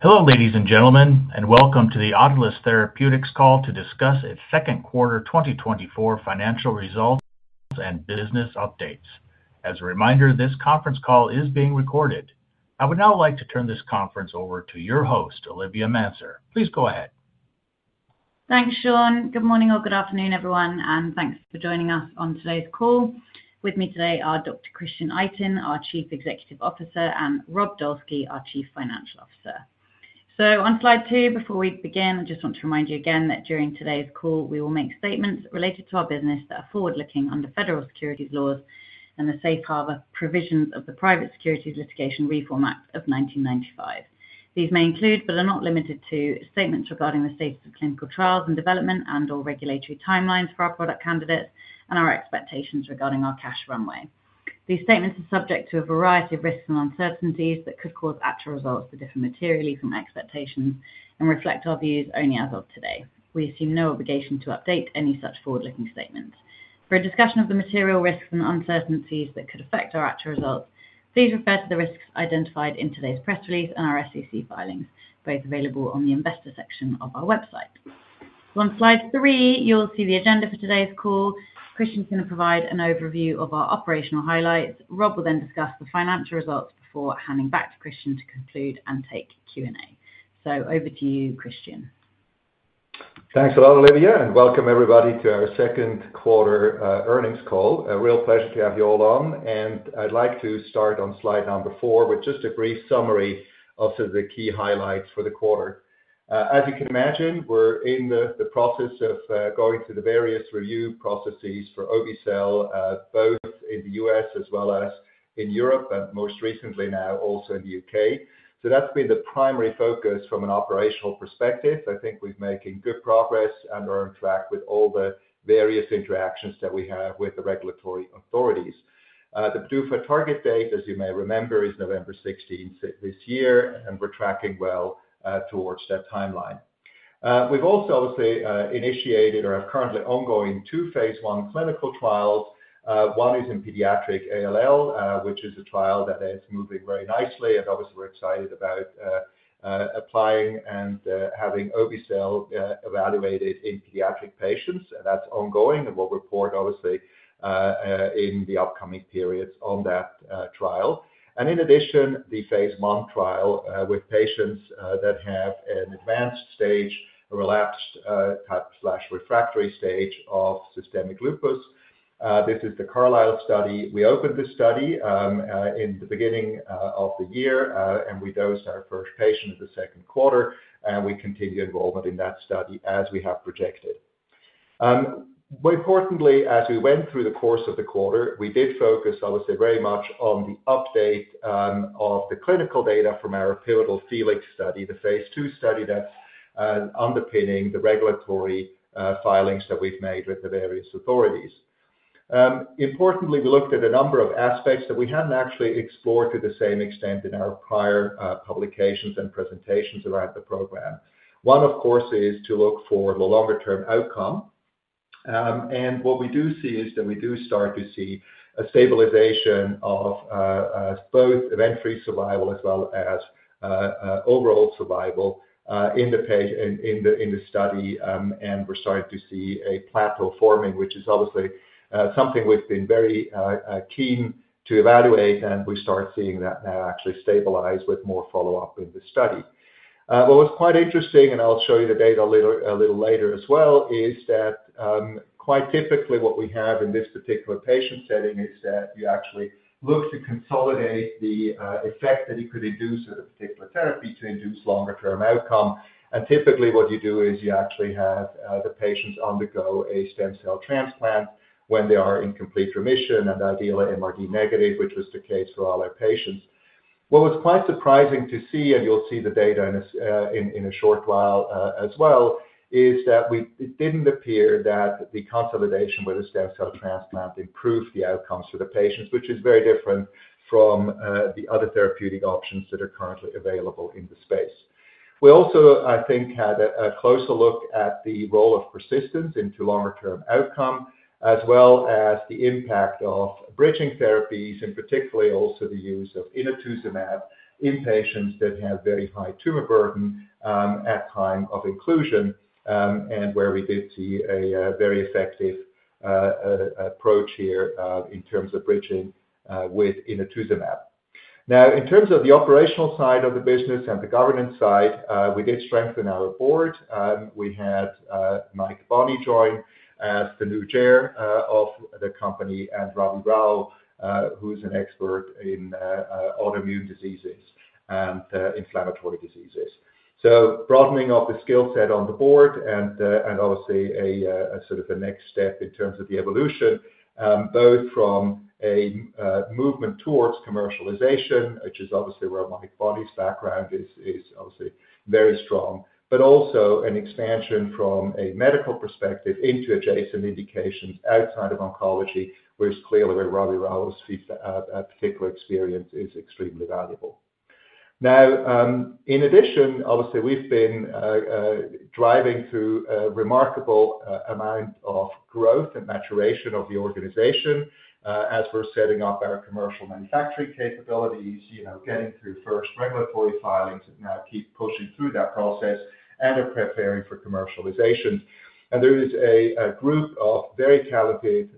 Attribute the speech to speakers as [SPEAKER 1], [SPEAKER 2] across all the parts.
[SPEAKER 1] Hello, ladies and gentlemen, and welcome to the Autolus Therapeutics Call to discuss its second quarter 2024 financial results and business updates. As a reminder, this conference call is being recorded. I would now like to turn this conference over to your host, Olivia Manser. Please go ahead.
[SPEAKER 2] Thanks, Sean. Good morning or good afternoon, everyone, and thanks for joining us on today's call. With me today are Dr. Christian Itin, our Chief Executive Officer, and Rob Dolski, our Chief Financial Officer. On Slide 2, before we begin, I just want to remind you again that during today's call, we will make statements related to our business that are forward-looking under federal securities laws and the safe harbor provisions of the Private Securities Litigation Reform Act of 1995. These may include, but are not limited to, statements regarding the safety of clinical trials and development and/or regulatory timelines for our product candidates and our expectations regarding our cash runway. These statements are subject to a variety of risks and uncertainties that could cause actual results to differ materially from expectations and reflect our views only as of today. We assume no obligation to update any such forward-looking statements. For a discussion of the material risks and uncertainties that could affect our actual results, please refer to the risks identified in today's press release and our SEC filings, both available on the investor section of our website. On Slide 3, you'll see the agenda for today's call. Christian's going to provide an overview of our operational highlights. Rob will then discuss the financial results before handing back to Christian to conclude and take Q and A. Over to you, Christian.
[SPEAKER 3] Thanks a lot, Olivia, and welcome everybody to our second quarter earnings call. A real pleasure to have you all on, and I'd like to start on slide number 4 with just a brief summary of the key highlights for the quarter. As you can imagine, we're in the process of going through the various review processes for obe-cel both in the U.S. as well as in Europe, and most recently now, also in the U.K. So that's been the primary focus from an operational perspective. I think we're making good progress and are on track with all the various interactions that we have with the regulatory authorities. The PDUFA target date, as you may remember, is November 16th this year, and we're tracking well towards that timeline. We've also, obviously, initiated or have currently ongoing two phase I clinical trials. One is in pediatric ALL, which is a trial that is moving very nicely, and obviously, we're excited about applying and having obe-cel evaluated in pediatric patients, and that's ongoing. We'll report, obviously, in the upcoming periods on that trial. In addition, the phase I trial with patients that have an advanced stage, a relapsed/refractory stage of systemic lupus. This is the CARLYSLE study. We opened this study in the beginning of the year, and we dosed our first patient in the second quarter, and we continue enrollment in that study as we have projected. More importantly, as we went through the course of the quarter, we did focus, obviously, very much on the update of the clinical data from our pivotal FELIX study, the phase II study that's underpinning the regulatory filings that we've made with the various authorities. Importantly, we looked at a number of aspects that we hadn't actually explored to the same extent in our prior publications and presentations about the program. One, of course, is to look for the longer-term outcome. And what we do see is that we do start to see a stabilization of both event-free survival as well as overall survival in the study. We're starting to see a plateau forming, which is obviously something we've been very keen to evaluate, and we start seeing that now actually stabilize with more follow-up with the study. What was quite interesting, and I'll show you the data a little later as well, is that quite typically, what we have in this particular patient setting is that you actually look to consolidate the effect that you could induce a particular therapy to induce longer term outcome. Typically, what you do is you actually have the patients undergo a stem cell transplant when they are in complete remission, and ideally MRD negative, which was the case for all our patients. What was quite surprising to see, and you'll see the data in a short while, as well, is that it didn't appear that the consolidation with the stem cell transplant improved the outcomes for the patients, which is very different from the other therapeutic options that are currently available in the space. We also, I think, had a closer look at the role of persistence into longer-term outcome, as well as the impact of bridging therapies, and particularly also the use of inotuzumab in patients that have very high tumor burden at time of inclusion, and where we did see a very effective approach here, in terms of bridging, with inotuzumab. Now, in terms of the operational side of the business and the governance side, we did strengthen our board. We had Mike Bonney join as the new chair of the company, and Ravi Rao, who's an expert in autoimmune diseases and inflammatory diseases. So broadening of the skill set on the board and obviously a sort of a next step in terms of the evolution, both from a movement towards commercialization, which is obviously where Mike Bonney's background is, is obviously very strong, but also an expansion from a medical perspective into adjacent indications outside of oncology, which is clearly where Ravi Rao's particular experience is extremely valuable. Now, in addition, obviously, we've been driving through a remarkable amount of growth and maturation of the organization, as we're setting up our commercial manufacturing capabilities, you know, getting through first regulatory filings and now keep pushing through that process, and are preparing for commercialization. There is a group of very talented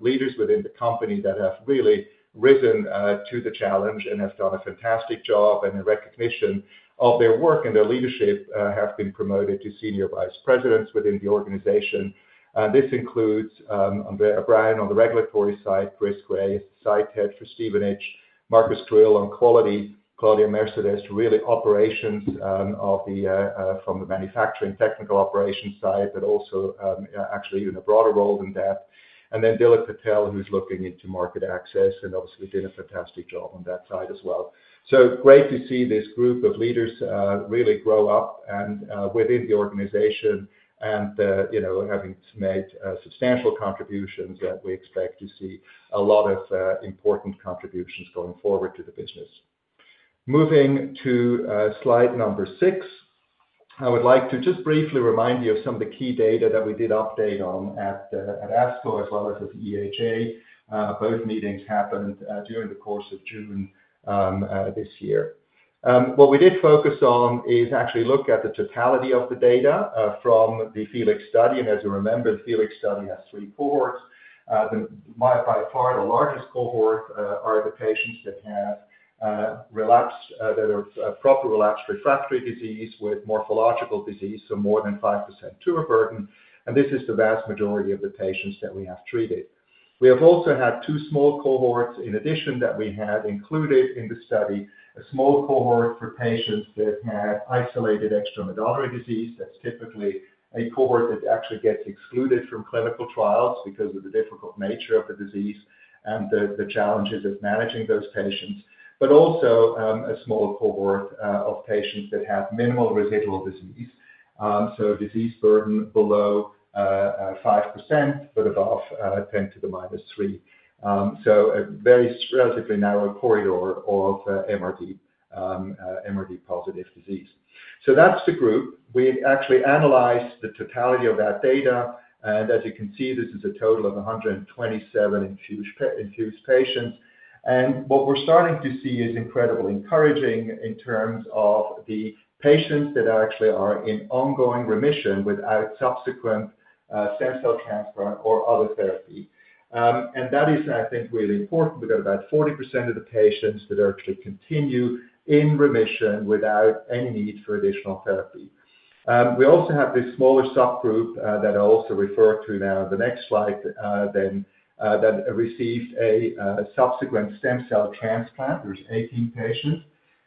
[SPEAKER 3] leaders within the company that have really risen to the challenge and have done a fantastic job, and in recognition of their work and their leadership, have been promoted to senior vice presidents within the organization. This includes Brian, on the regulatory side, Chris Gray, Site Head for Stevenage, Markus Gruell on quality, Claudia Mercedes, really operations from the manufacturing technical operations side, but also actually in a broader role than that. And then Dilip Patel, who's looking into market access and obviously did a fantastic job on that side as well. So great to see this group of leaders, really grow up and within the organization, and you know, having made substantial contributions that we expect to see a lot of important contributions going forward to the business. Moving to slide number 6, I would like to just briefly remind you of some of the key data that we did update on at ASCO as well as at EHA. Both meetings happened during the course of June this year. What we did focus on is actually look at the totality of the data from the FELIX study. And as you remember, the FELIX study has three cohorts. By far, the largest cohort are the patients that have relapsed that are proper relapsed refractory disease with morphological disease, so more than 5% tumor burden, and this is the vast majority of the patients that we have treated. We have also had two small cohorts in addition that we have included in the study, a small cohort for patients that had isolated extramedullary disease. That's typically a cohort that actually gets excluded from clinical trials because of the difficult nature of the disease and the challenges of managing those patients. But also, a small cohort of patients that have minimal residual disease, so disease burden below five percent, but above ten to the minus three. So a very relatively narrow corridor of MRD, MRD positive disease. So that's the group. We actually analyzed the totality of that data, and as you can see, this is a total of 127 infused patients. What we're starting to see is incredibly encouraging in terms of the patients that actually are in ongoing remission without subsequent stem cell transplant or other therapy. That is, I think, really important. We've got about 40% of the patients that actually continue in remission without any need for additional therapy. We also have this smaller subgroup that I'll also refer to now, the next slide, then, that received a subsequent stem cell transplant. There's 18 patients.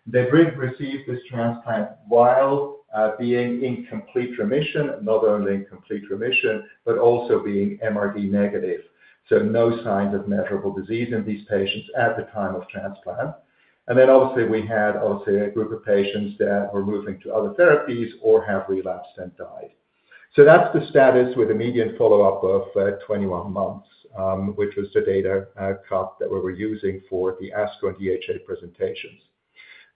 [SPEAKER 3] They did receive this transplant while being in complete remission, not only in complete remission, but also being MRD negative, so no signs of measurable disease in these patients at the time of transplant. And then obviously, we had also a group of patients that were moving to other therapies or have relapsed and died. So that's the status with a median follow-up of 21 months, which was the data cut that we were using for the ASCO and EHA presentations.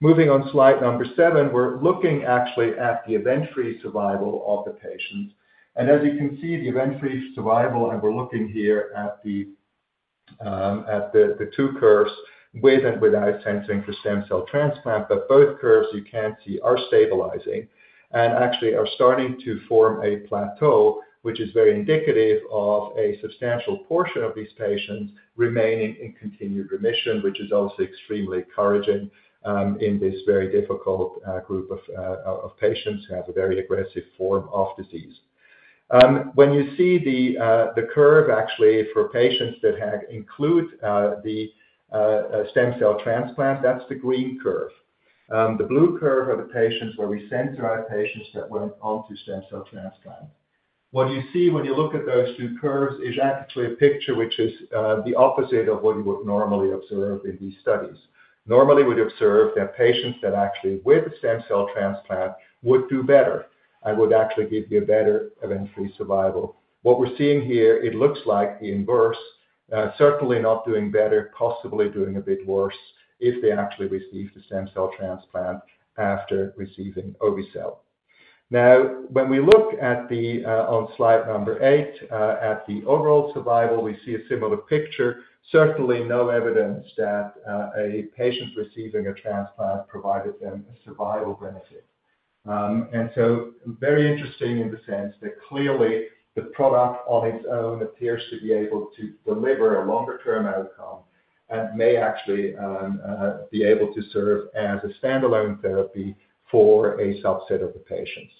[SPEAKER 3] Moving on, slide number 7, we're looking actually at the event-free survival of the patients. And as you can see, the event-free survival, and we're looking here at the two curves, with and without censoring for stem cell transplant. But both curves, you can see, are stabilizing and actually are starting to form a plateau, which is very indicative of a substantial portion of these patients remaining in continued remission, which is also extremely encouraging, in this very difficult group of patients who have a very aggressive form of disease. When you see the curve actually for patients that had include the stem cell transplant, that's the green curve. The blue curve are the patients where we censor our patients that went on to stem cell transplant. What you see when you look at those two curves is actually a picture which is the opposite of what you would normally observe in these studies. Normally, we'd observe that patients that actually with stem cell transplant would do better and would actually give you a better event-free survival. What we're seeing here, it looks like the inverse, certainly not doing better, possibly doing a bit worse, if they actually receive the stem cell transplant after receiving obe-cel. Now, when we look at the on slide number 8 at the overall survival, we see a similar picture. Certainly no evidence that a patient receiving a transplant provided them a survival benefit. And so very interesting in the sense that clearly the product on its own appears to be able to deliver a longer term outcome and may actually be able to serve as a standalone therapy for a subset of the patients.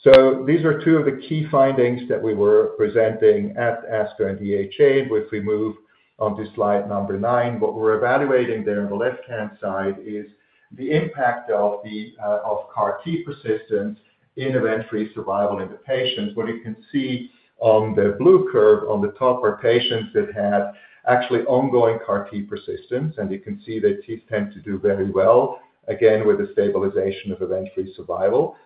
[SPEAKER 3] So these are two of the key findings that we were presenting at ASCO and EHA, which we move onto slide number 9. What we're evaluating there on the left-hand side is the impact of the of CAR T persistence in event-free survival in the patients. What you can see on the blue curve on the top are patients that had actually ongoing CAR T persistence, and you can see that these tend to do very well, again, with a stabilization of event-free survival.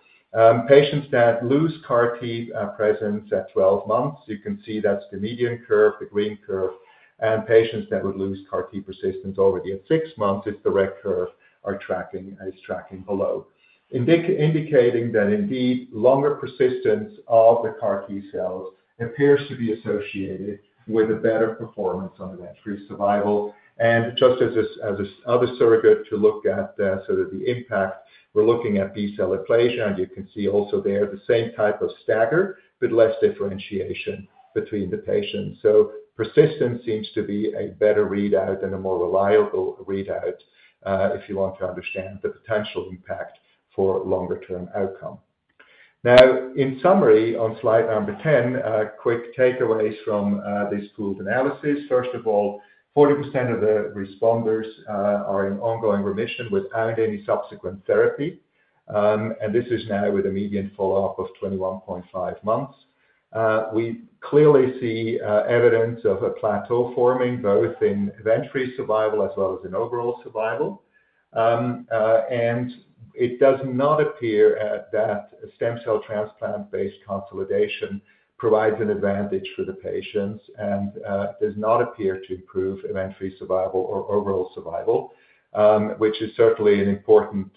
[SPEAKER 3] Patients that lose CAR T presence at 12 months, you can see that's the median curve, the green curve, and patients that would lose CAR T persistence already at 6 months, it's the red curve, are tracking below. Indicating that indeed, longer persistence of the CAR T cells appears to be associated with a better performance on event-free survival. And just as a surrogate to look at, sort of the impact, we're looking at B-cell aplasia, and you can see also there the same type of stagger, but less differentiation between the patients. So persistence seems to be a better readout and a more reliable readout, if you want to understand the potential impact for longer term outcome. Now, in summary, on slide number 10, quick takeaways from this pooled analysis. First of all, 40% of the responders are in ongoing remission without any subsequent therapy, and this is now with a median follow-up of 21.5 months. We clearly see evidence of a plateau forming, both in event-free survival as well as in overall survival. It does not appear that the stem cell transplant-based consolidation provides an advantage for the patients and does not appear to improve event-free survival or overall survival, which is certainly an important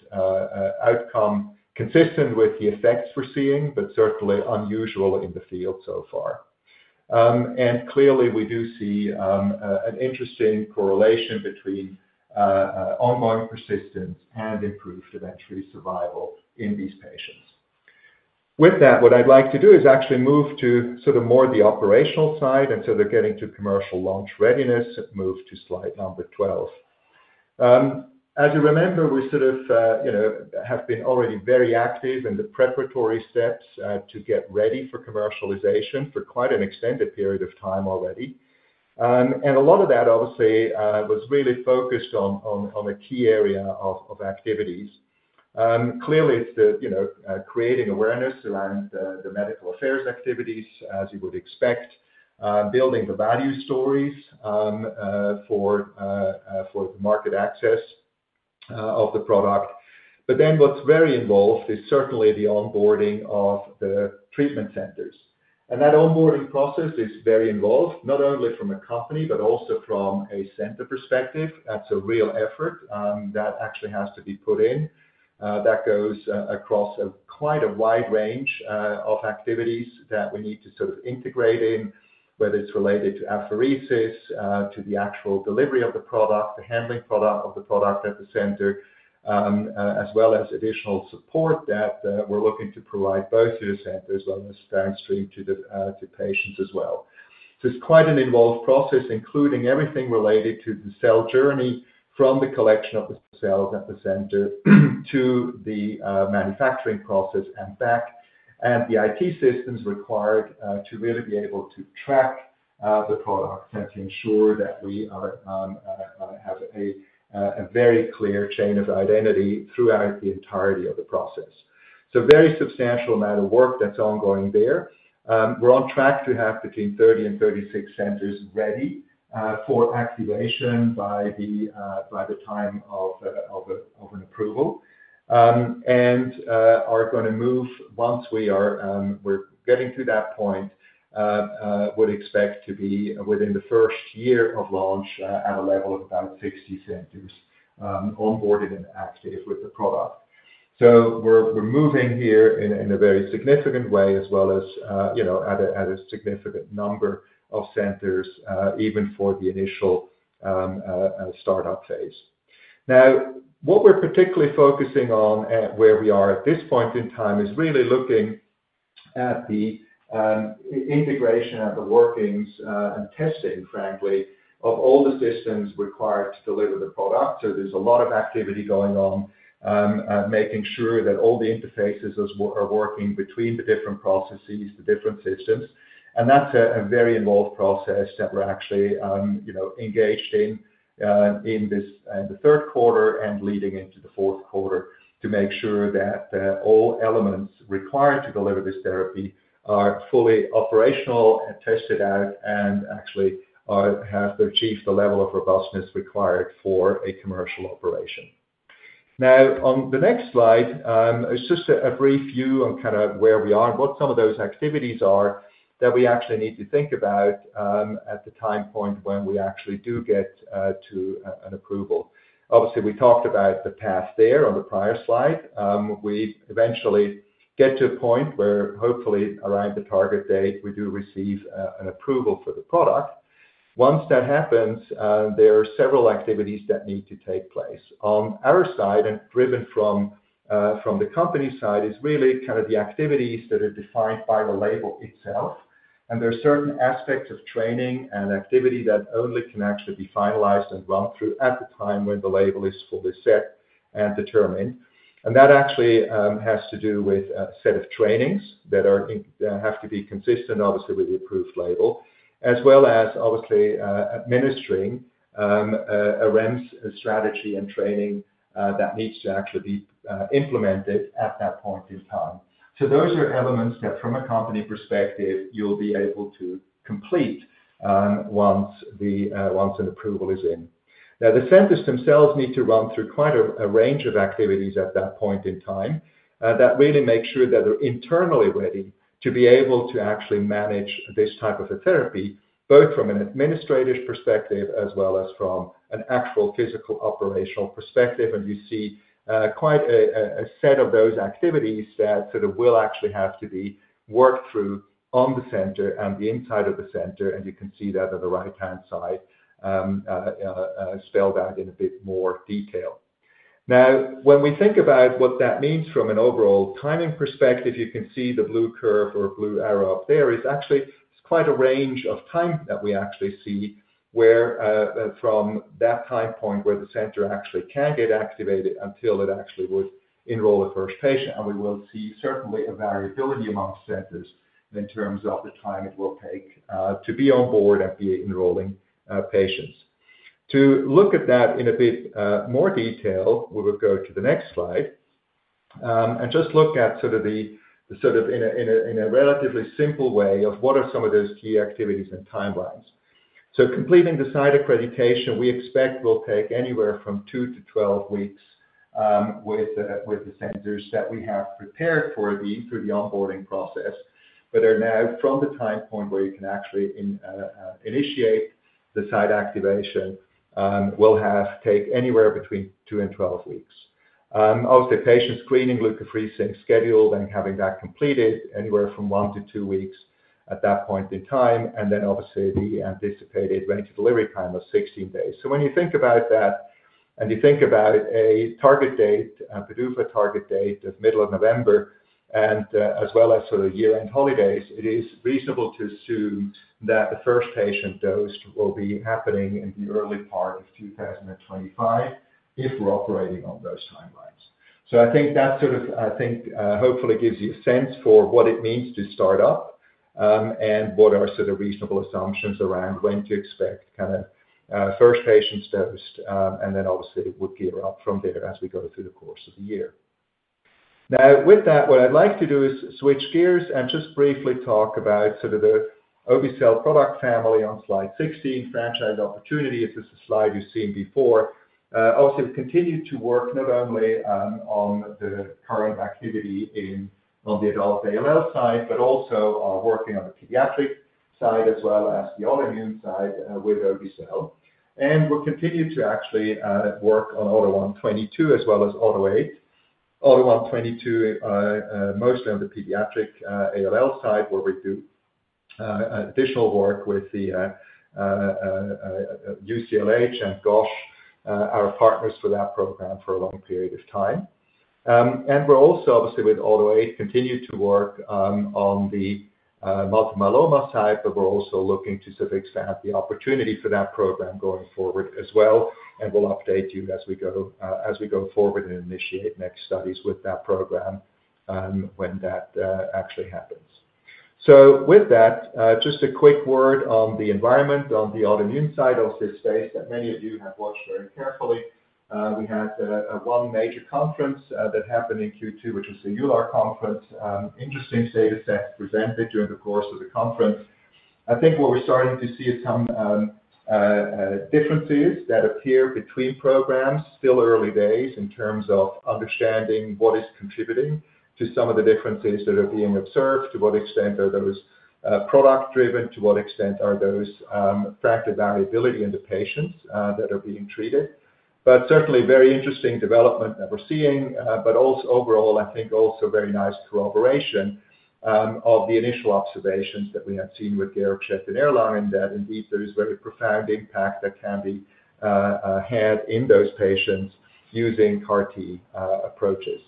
[SPEAKER 3] outcome consistent with the effects we're seeing, but certainly unusual in the field so far. Clearly, we do see an interesting correlation between ongoing persistence and improved event-free survival in these patients. With that, what I'd like to do is actually move to sort of more the operational side, and so they're getting to commercial launch readiness, move to slide number 12. As you remember, we sort of, you know, have been already very active in the preparatory steps to get ready for commercialization for quite an extended period of time already. And a lot of that, obviously, was really focused on a key area of activities. Clearly it's the, you know, creating awareness around the medical affairs activities, as you would expect, building the value stories for the market access of the product. But then what's very involved is certainly the onboarding of the treatment centers. And that onboarding process is very involved, not only from a company, but also from a center perspective. That's a real effort, that actually has to be put in, that goes across quite a wide range of activities that we need to sort of integrate in, whether it's related to apheresis, to the actual delivery of the product, the handling of the product at the center, as well as additional support that we're looking to provide both to the centers on this downstream to the to patients as well. So it's quite an involved process, including everything related to the cell journey, from the collection of the cells at the center, to the manufacturing process and back, and the IT systems required to really be able to track the product and to ensure that we have a very clear chain of identity throughout the entirety of the process. So very substantial amount of work that's ongoing there. We're on track to have between 30 and 36 centers ready for activation by the time of an approval. And are gonna move once we are getting to that point, would expect to be within the first year of launch, at a level of about 60 centers, onboarded and active with the product. So we're, we're moving here in a, in a very significant way, as well as, you know, at a, at a significant number of centers, even for the initial startup phase. Now, what we're particularly focusing on at where we are at this point in time, is really looking at the integration and the workings, and testing, frankly, of all the systems required to deliver the product. So there's a lot of activity going on, making sure that all the interfaces are working between the different processes, the different systems. That's a very involved process that we're actually, you know, engaged in, in this, the third quarter and leading into the fourth quarter, to make sure that, all elements required to deliver this therapy are fully operational and tested out, and actually, have achieved the level of robustness required for a commercial operation. Now, on the next slide, it's just a brief view on kind of where we are and what some of those activities are that we actually need to think about, at the time point when we actually do get, to, an approval. Obviously, we talked about the path there on the prior slide. We eventually get to a point where hopefully around the target date, we do receive, an approval for the product. Once that happens, there are several activities that need to take place. On our side, and driven from the company side, is really kind of the activities that are defined by the label itself, and there are certain aspects of training and activity that only can actually be finalized and run through at the time when the label is fully set and determine. That actually has to do with a set of trainings that have to be consistent, obviously, with the approved label, as well as obviously administering a REMS strategy and training that needs to actually be implemented at that point in time. So those are elements that, from a company perspective, you'll be able to complete once an approval is in. Now, the centers themselves need to run through quite a range of activities at that point in time that really make sure that they're internally ready to be able to actually manage this type of a therapy, both from an administrator's perspective as well as from an actual physical, operational perspective. And you see quite a set of those activities that sort of will actually have to be worked through on the center and the inside of the center, and you can see that on the right-hand side spelled out in a bit more detail. Now, when we think about what that means from an overall timing perspective, you can see the blue curve or blue arrow up there, is actually quite a range of time that we actually see where, from that time point where the center actually can get activated until it actually would enroll the first patient. And we will see certainly a variability among centers in terms of the time it will take to be on board and be enrolling patients. To look at that in a bit more detail, we will go to the next slide and just look at sort of in a relatively simple way of what are some of those key activities and timelines. Completing the site accreditation, we expect will take anywhere from two to 12 weeks with the centers that we have prepared for the through the onboarding process. But are now from the time point where you can actually in initiate the site activation will have take anywhere between two and 12 weeks. Obviously patient screening, leukapheresis, scheduled, and having that completed anywhere from 1-2 weeks at that point in time, and then obviously the anticipated vein-to-vein delivery time of 16 days. So when you think about that, and you think about a target date, a PDUFA target date of middle of November, and as well as sort of year-end holidays, it is reasonable to assume that the first patient dose will be happening in the early part of 2025 if we're operating on those timelines. So I think that sort of, I think, hopefully gives you a sense for what it means to start up, and what are sort of reasonable assumptions around when to expect kinda first patient's dose, and then obviously it would gear up from there as we go through the course of the year. Now, with that, what I'd like to do is switch gears and just briefly talk about sort of the obe-cel product family on Slide 16, franchise opportunity. This is a slide you've seen before. Obviously, we've continued to work not only on the current activity in on the adult ALL side, but also are working on the pediatric side as well as the autoimmune side with obe-cel. And we'll continue to actually work on AUTO1/22 as well as AUTO8. AUTO1/22, mostly on the pediatric ALL side, where we do additional work with the UCLH and GOSH, our partners for that program for a long period of time. And we're also, obviously with AUTO8, continue to work on the multiple myeloma side, but we're also looking to sort of expand the opportunity for that program going forward as well, and we'll update you as we go, as we go forward and initiate next studies with that program, when that actually happens. So with that, just a quick word on the environment on the autoimmune side of this space that many of you have watched very carefully. We had one major conference that happened in Q2, which was the EULAR conference. Interesting data set presented during the course of the conference. I think what we're starting to see is some differences that appear between programs. Still early days in terms of understanding what is contributing to some of the differences that are being observed, to what extent are those product driven, to what extent are those factor variability in the patients that are being treated. But certainly very interesting development that we're seeing, but also overall, I think also very nice corroboration of the initial observations that we have seen with Georg Schett in Erlangen, that indeed there is very profound impact that can be had in those patients using CAR T approaches.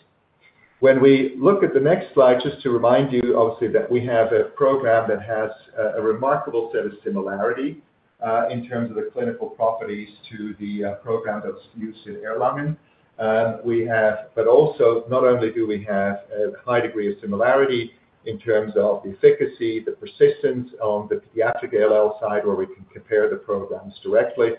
[SPEAKER 3] When we look at the next slide, just to remind you, obviously, that we have a program that has a remarkable set of similarity in terms of the clinical properties to the program that's used in Erlangen. But also, not only do we have a high degree of similarity in terms of the efficacy, the persistence on the pediatric ALL side, where we can compare the programs directly,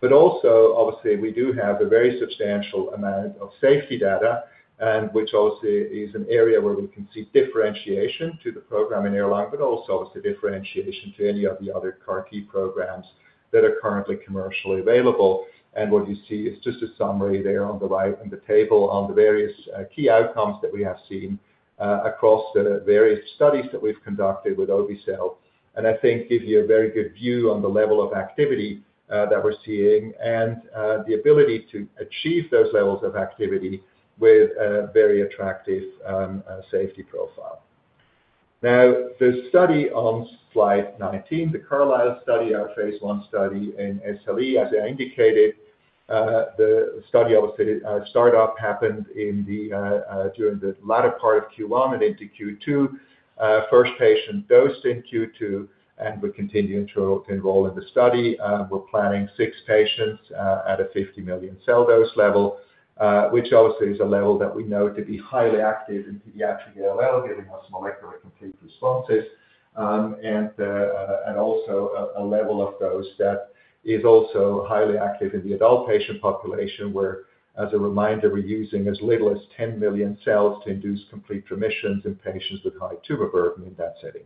[SPEAKER 3] but also, obviously, we do have a very substantial amount of safety data, and which also is an area where we can see differentiation to the program in Erlangen, but also differentiation to any of the other CAR T programs that are currently commercially available. And what you see is just a summary there on the right, on the table, on the various key outcomes that we have seen across the various studies that we've conducted with obe-cel. And I think gives you a very good view on the level of activity that we're seeing and the ability to achieve those levels of activity with a very attractive safety profile. Now, the study on Slide 19, the CAR-SLE study, our phase I study in SLE, as I indicated, the study, obviously, start up happened during the latter part of Q1 and into Q2. First patient dosed in Q2, and we're continuing to enroll in the study. We're planning 6 patients at a 50 million cell dose level, which also is a level that we know to be highly active in pediatric ALL, giving us molecular complete responses. And also a level of dose that is also highly active in the adult patient population, where, as a reminder, we're using as little as 10 million cells to induce complete remissions in patients with high tumor burden in that setting.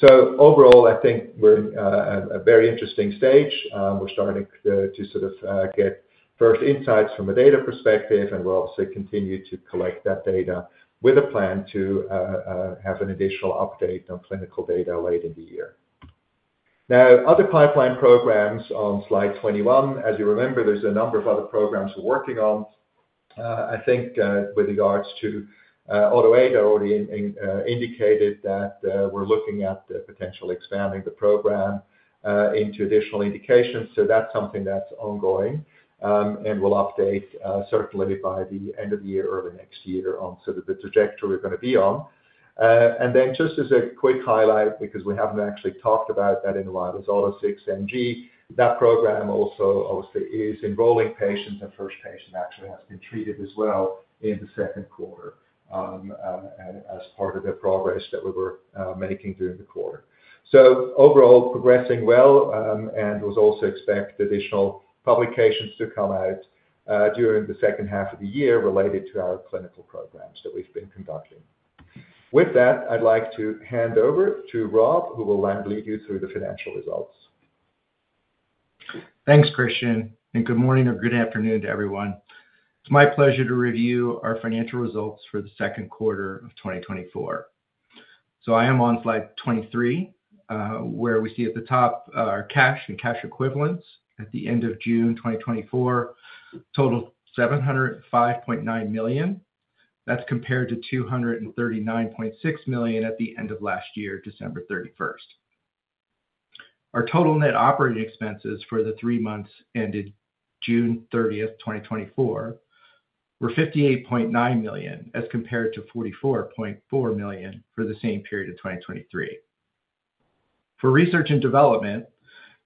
[SPEAKER 3] So overall, I think we're in a very interesting stage. We're starting to sort of get first insights from a data perspective, and we'll also continue to collect that data with a plan to have an additional update on clinical data later in the year. Now, other pipeline programs on Slide 21, as you remember, there's a number of other programs we're working on. I think, with regards to, Autoimmune, I already indicated that, we're looking at, potentially expanding the program, into additional indications. So that's something that's ongoing. And we'll update, certainly by the end of the year or the next year on sort of the trajectory we're gonna be on. And then just as a quick highlight, because we haven't actually talked about that in a while, is AUTO6NG. That program also, obviously, is enrolling patients, and first patient actually has been treated as well in the second quarter, and as part of the progress that we were, making during the quarter. Overall, progressing well, and we also expect additional publications to come out during the second half of the year related to our clinical programs that we've been conducting. With that, I'd like to hand over to Rob, who will then lead you through the financial results.
[SPEAKER 4] Thanks, Christian, and good morning or good afternoon to everyone. It's my pleasure to review our financial results for the second quarter of 2024. I am on Slide 23, where we see at the top, our cash and cash equivalents at the end of June 2024, total $705.9 million. That's compared to $239.6 million at the end of last year, December 31. Our total net operating expenses for the three months ended June 30, 2024, were $58.9 million, as compared to $44.4 million for the same period of 2023. For research and development,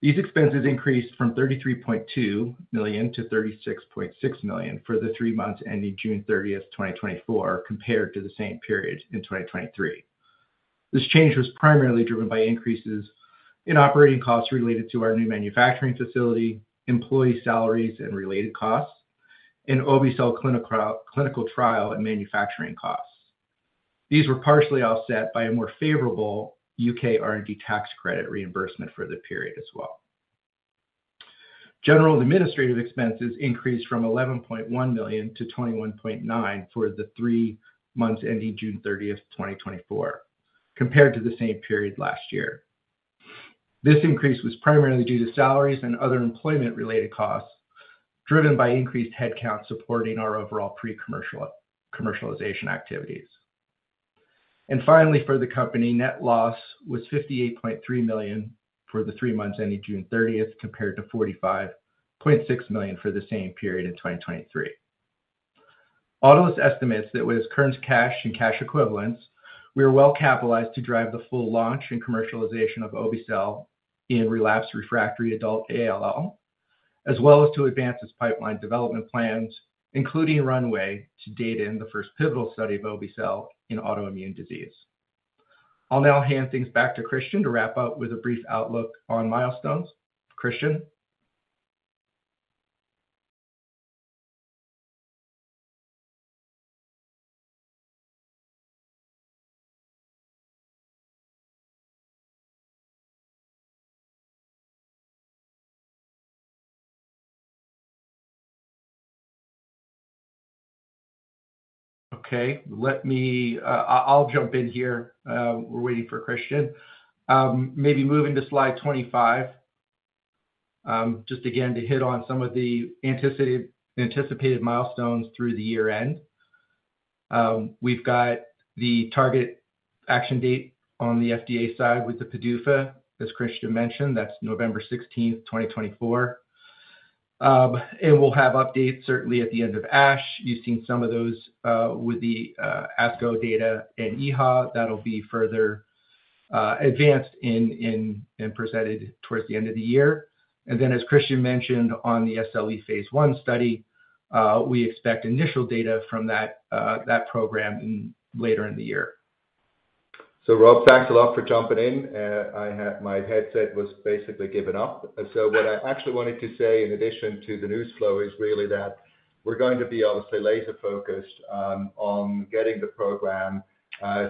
[SPEAKER 4] these expenses increased from $33.2 million to $36.6 million for the three months ending June 30, 2024, compared to the same period in 2023. This change was primarily driven by increases in operating costs related to our new manufacturing facility, employee salaries and related costs, and obe-cel clinical trial and manufacturing costs. These were partially offset by a more favorable U.K. R&D tax credit reimbursement for the period as well. General administrative expenses increased from $11.1 million to $21.9 million for the three months ending June 30, 2024, compared to the same period last year. This increase was primarily due to salaries and other employment-related costs, driven by increased headcount supporting our overall pre-commercialization activities. Finally, for the company, net loss was $58.3 million for the three months ending June 30, compared to $45.6 million for the same period in 2023. Autolus estimates that with its current cash and cash equivalents, we are well capitalized to drive the full launch and commercialization of obe-cel in relapsed refractory adult ALL, as well as to advance its pipeline development plans, including runway to data in the first pivotal study of obe-cel in autoimmune disease. I'll now hand things back to Christian to wrap up with a brief outlook on milestones. Christian? Okay, I'll jump in here. We're waiting for Christian. Maybe moving to Slide 25. Just again, to hit on some of the anticipated milestones through the year-end. We've got the target action date on the FDA side with the PDUFA. As Christian mentioned, that's November 16th, 2024. And we'll have updates certainly at the end of ASH. You've seen some of those, with the ASCO data and EHA. That'll be further advanced, and presented towards the end of the year. And then, as Christian mentioned, on the SLE phase I study, we expect initial data from that, that program later in the year.
[SPEAKER 3] So Rob, thanks a lot for jumping in. My headset was basically giving up. So what I actually wanted to say, in addition to the news flow, is really that we're going to be obviously laser focused on getting the program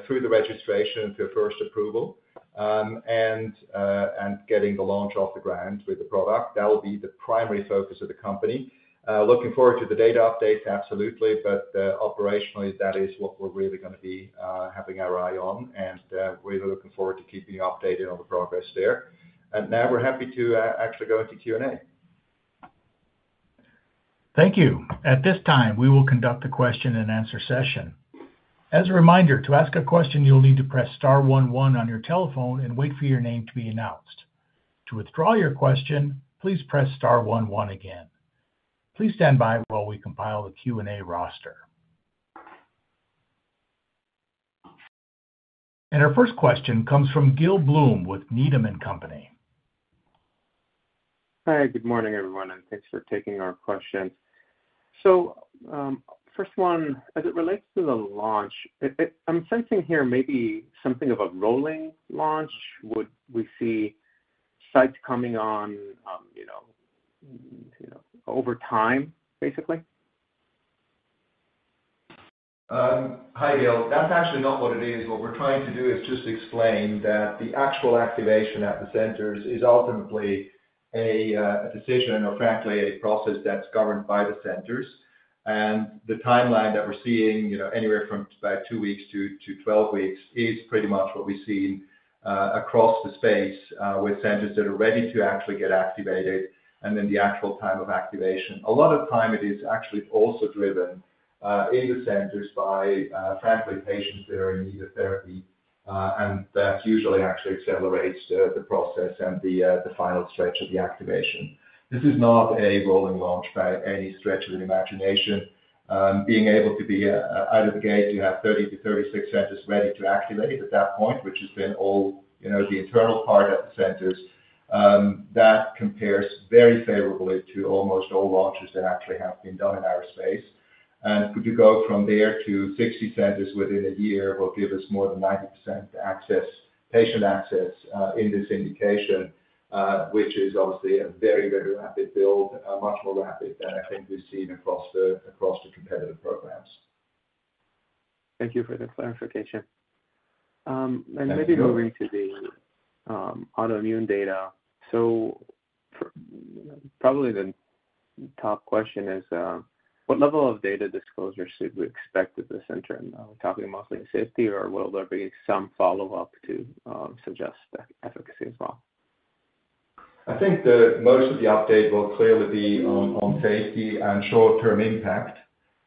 [SPEAKER 3] through the registration to first approval. And getting the launch off the ground with the product. That will be the primary focus of the company. Looking forward to the data update, absolutely, but operationally, that is what we're really gonna be having our eye on. And we're looking forward to keeping you updated on the progress there. And now we're happy to actually go into Q and A.
[SPEAKER 1] Thank you. At this time, we will conduct a question and answer session. As a reminder, to ask a question, you'll need to press star 11 on your telephone and wait for your name to be announced. To withdraw your question, please press star 11 again. Please stand by while we compile the Q and A roster. Our first question comes from Gil Blum with Needham & Company.
[SPEAKER 5] Hi, good morning, everyone, and thanks for taking our question. So, first one, as it relates to the launch, it, I'm sensing here maybe something of a rolling launch. Would we see sites coming on, you know, you know, over time, basically?
[SPEAKER 3] Hi, Gil. That's actually not what it is. What we're trying to do is just explain that the actual activation at the centers is ultimately a decision or frankly, a process that's governed by the centers. And the timeline that we're seeing, you know, anywhere from about two weeks to 12 weeks, is pretty much what we see across the space with centers that are ready to actually get activated and then the actual time of activation. A lot of time it is actually also driven in the centers by frankly, patients that are in need of therapy, and that usually actually accelerates the process and the final stretch of the activation. This is not a rolling launch by any stretch of the imagination. Being able to be out of the gate, you have 30 to 36 centers ready to activate at that point, which has been all, you know, the internal part at the centers, that compares very favorably to almost all launches that actually have been done in our space. Could you go from there to 60 centers within a year, will give us more than 90% access - patient access, in this indication, which is obviously a very, very rapid build, much more rapid than I think we've seen across the, across the competitive programs.
[SPEAKER 5] Thank you for the clarification. And maybe.
[SPEAKER 3] Thank you.
[SPEAKER 5] Moving to the autoimmune data. So probably the top question is what level of data disclosure should we expect at the center? And are we talking mostly safety, or will there be some follow-up to suggest that efficacy as well?
[SPEAKER 3] I think that most of the update will clearly be on safety and short-term impact,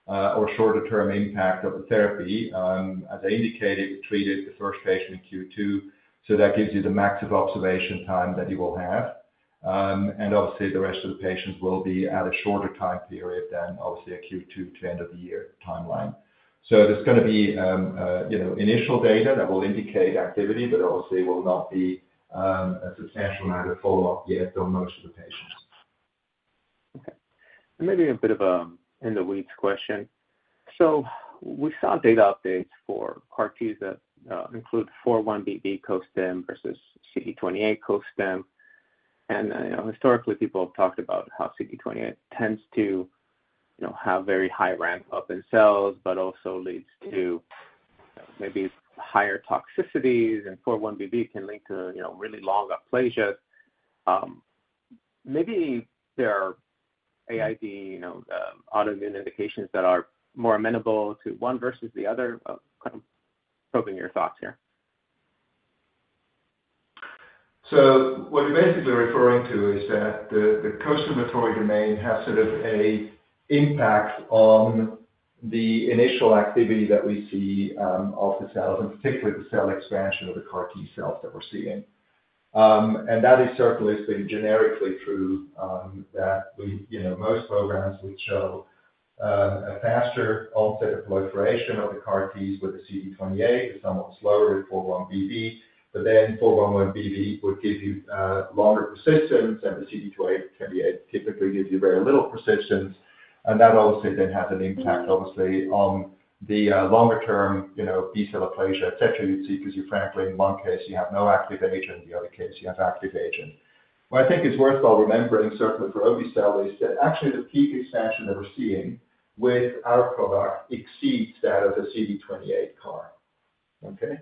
[SPEAKER 3] or shorter-term impact of the therapy. As I indicated, we treated the first patient in Q2, so that gives you the max of observation time that you will have. And obviously, the rest of the patients will be at a shorter time period than obviously a Q2 to end of the year timeline. So there's gonna be, you know, initial data that will indicate activity, but obviously will not be a substantial amount of follow-up yet on most of the patients.
[SPEAKER 5] Okay. And maybe a bit of a in the weeds question. So we saw data updates for CAR Ts that include 4-1BB co-stim versus CD28 co-stim. And, you know, historically, people have talked about how CD28 tends to, you know, have very high ramp up in cells, but also leads to maybe higher toxicities, and 4-1BB can lead to, you know, really long aplasia. Maybe there are AIDs, you know, autoimmune indications that are more amenable to one versus the other. Kind of probing your thoughts here.
[SPEAKER 3] So what you're basically referring to is that the costimulatory domain has sort of a impact on the initial activity that we see, of the cells, and particularly the cell expansion of the CAR T cells that we're seeing. And that is certainly been generically true. You know, most programs which show a faster onset of proliferation of the CAR Ts with the CD28 is somewhat slower in 4-1BB, but then 4-1BB would give you longer persistence, and the CD28 typically gives you very little persistence. And that obviously then has an impact, obviously, on the longer term, you know, B-cell aplasia, et cetera, you'd see, because you frankly, in one case, you have no activation, the other case, you have activation. What I think is worthwhile remembering, certainly for obe-cel, is that actually the peak expansion that we're seeing with our product exceeds that of the CD28 CAR. Okay?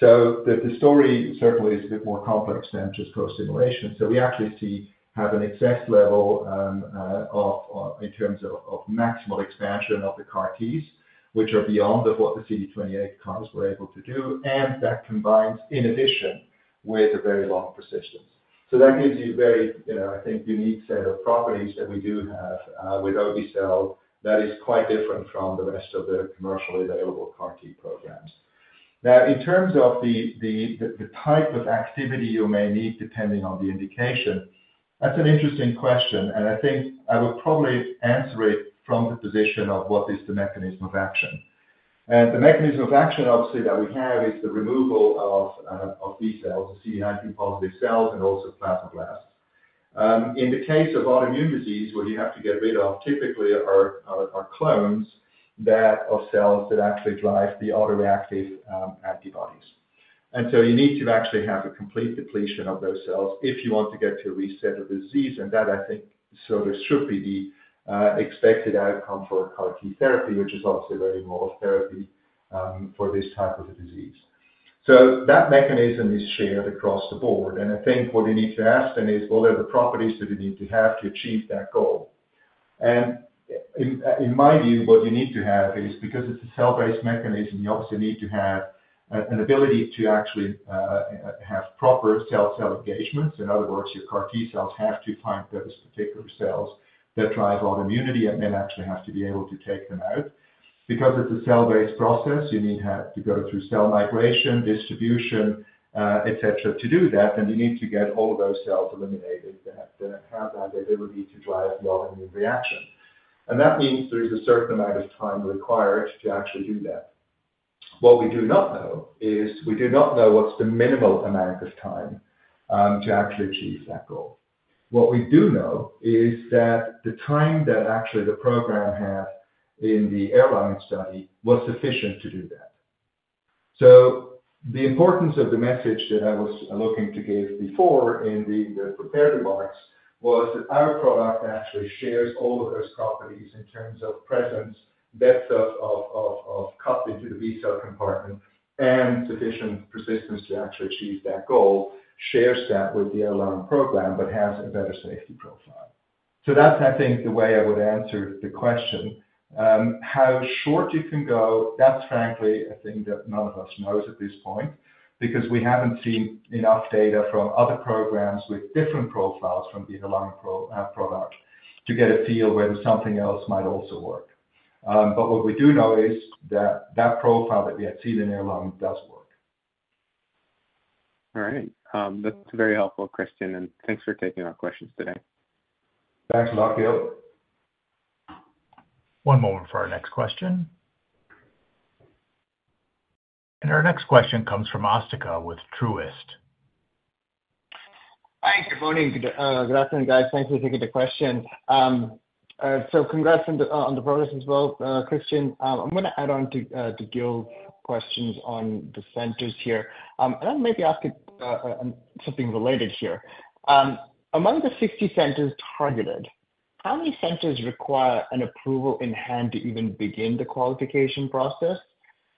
[SPEAKER 3] So the story certainly is a bit more complex than just co-stimulation. So we actually see, have an excess level of in terms of of maximal expansion of the CAR Ts, which are beyond of what the CD28 CARs were able to do, and that combines in addition with a very long persistence. So that gives you a very, you know, I think, unique set of properties that we do have with obe-cel that is quite different from the rest of the commercially available CAR T programs. Now, in terms of the type of activity you may need, depending on the indication, that's an interesting question, and I think I would probably answer it from the position of what is the mechanism of action. The mechanism of action, obviously, that we have is the removal of B-cells, CD19-positive cells, and also plasmablasts. In the case of autoimmune disease, what you have to get rid of typically are clones of cells that actually drive the autoreactive antibodies. So you need to actually have a complete depletion of those cells if you want to get to a reset of the disease, and that I think sort of should be the expected outcome for a CAR T therapy, which is obviously a very modal therapy for this type of a disease. So that mechanism is shared across the board, and I think what we need to ask then is, what are the properties that we need to have to achieve that goal? In my view, what you need to have is, because it's a cell-based mechanism, you obviously need to have an ability to actually have proper cell-cell engagements. In other words, your CAR T-cells have to find those particular cells that drive autoimmunity, and then actually have to be able to take them out. Because it's a cell-based process, you need to have to go through cell migration, distribution, et cetera, to do that, and you need to get all of those cells eliminated to have that ability to drive the autoimmune reaction. And that means there's a certain amount of time required to actually do that. What we do not know is, we do not know what's the minimal amount of time to actually achieve that goal. What we do know is that the time that actually the program had in the Erlangen study was sufficient to do that. So the importance of the message that I was looking to give before in the prepared remarks was that our product actually shares all of those properties in terms of presence, depth of coupling to the B-cell compartment, and sufficient persistence to actually achieve that goal, shares that with the Erlangen program, but has a better safety profile. So that's, I think, the way I would answer the question. How short you can go, that's frankly a thing that none of us knows at this point, because we haven't seen enough data from other programs with different profiles from the Erlangen product, to get a feel whether something else might also work. But what we do know is that that profile that we have seen in Erlangen does work.
[SPEAKER 5] All right. That's very helpful, Christian, and thanks for taking our questions today.
[SPEAKER 3] Thanks a lot, Gil.
[SPEAKER 1] One moment for our next question. Our next question comes from Asthika with Truist.
[SPEAKER 6] Hi, good morning. Good afternoon, guys. Thank you for taking the question. So congrats on the progress as well, Christian. I'm gonna add on to Gil's questions on the centers here, and then maybe ask something related here. Among the 60 centers targeted, how many centers require an approval in hand to even begin the qualification process?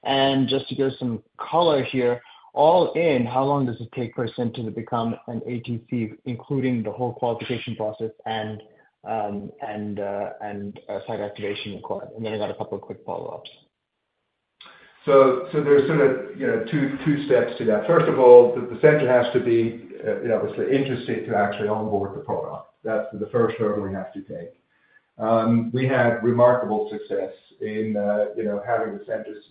[SPEAKER 6] And just to give some color here, all in, how long does it take for a center to become an ATC, including the whole qualification process and site activation required? And then I got a couple of quick follow-ups.
[SPEAKER 3] So there's sort of, you know, two steps to that. First of all, the center has to be, you know, obviously interested to actually onboard the product. That's the first step we have to take. We had remarkable success in, you know, having the centers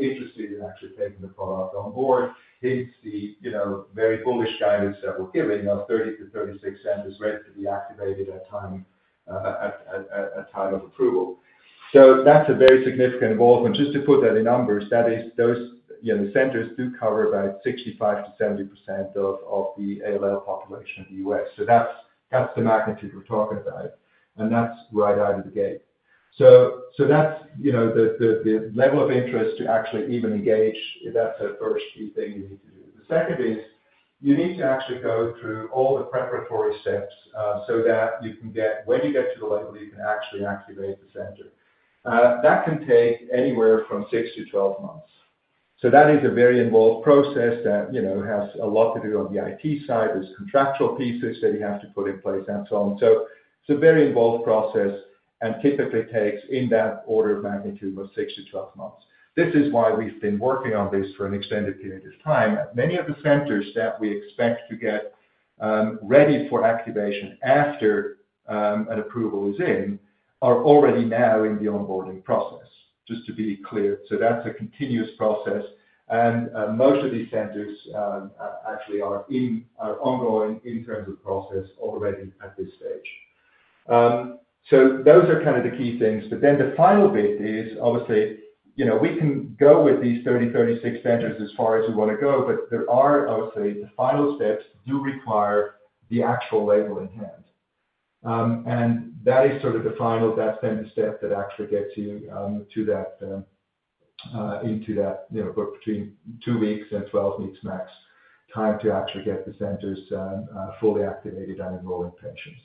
[SPEAKER 3] interested in actually taking the product on board, hence the, you know, very bullish guidance that we're giving of 30 to 36 centers ready to be activated at time of approval. So that's a very significant involvement. Just to put that in numbers, that is, those, you know, the centers do cover about 65%-70% of the ALL population in the U.S. So that's the magnitude we're talking about, and that's right out of the gate. So that's, you know, the level of interest to actually even engage. That's the first key thing you need to do. The second is, you need to actually go through all the preparatory steps, so that you can get, when you get to the label, you can actually activate the center. That can take anywhere from 6 to 12 months. So that is a very involved process that, you know, has a lot to do on the IT side. There's contractual pieces that you have to put in place, and so on. So it's a very involved process and typically takes in that order of magnitude of 6 to 12 months. This is why we've been working on this for an extended period of time. Many of the centers that we expect to get ready for activation after an approval is in are already now in the onboarding process, just to be clear. So that's a continuous process, and most of these centers actually are ongoing in terms of process already at this stage. So those are kind of the key things. But then the final bit is, obviously, you know, we can go with these 36 centers as far as we want to go, but there are, obviously, the final steps do require the actual label in hand. And that is sort of the final, that final step that actually gets you to that into that, you know, between two weeks and 12 weeks max, time to actually get the centers fully activated and enrolling patients.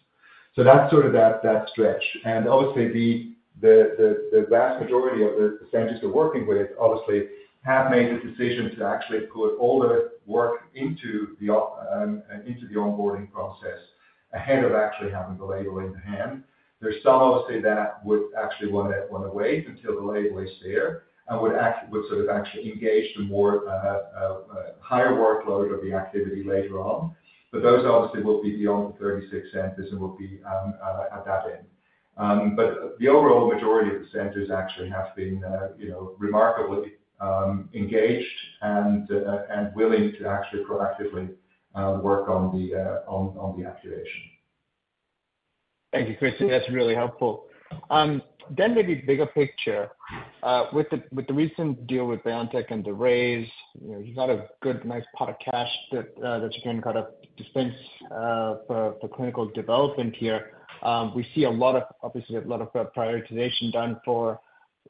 [SPEAKER 3] So that's sort of that, that stretch. And obviously, the vast majority of the centers we're working with, obviously, have made the decision to actually put all the work into the onboarding process ahead of actually having the label in hand. There's some, obviously, that would actually want to wait until the label is there and would sort of actually engage the higher workload of the activity later on. But those obviously will be beyond the 36 centers and will be at that end. But the overall majority of the centers actually have been, you know, remarkably engaged and willing to actually proactively work on the activation.
[SPEAKER 6] Thank you, Christian. That's really helpful. Then maybe bigger picture, with the recent deal with BioNTech and the raise, you know, you've got a good, nice pot of cash that you can kind of dispense for clinical development here. We see a lot of, obviously, a lot of prioritization done for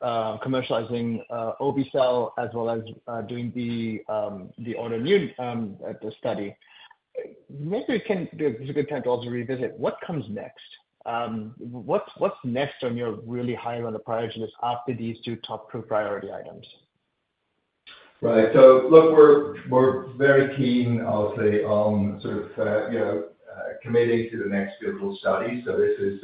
[SPEAKER 6] commercializing obe-cel as well as doing the autoimmune study. Maybe we can, this is a good time to also revisit what comes next. What's next on your really high on the priority list after these two top two priority items?
[SPEAKER 3] Right. So look, we're very keen, obviously, on sort of, you know, committing to the next clinical study. So this is,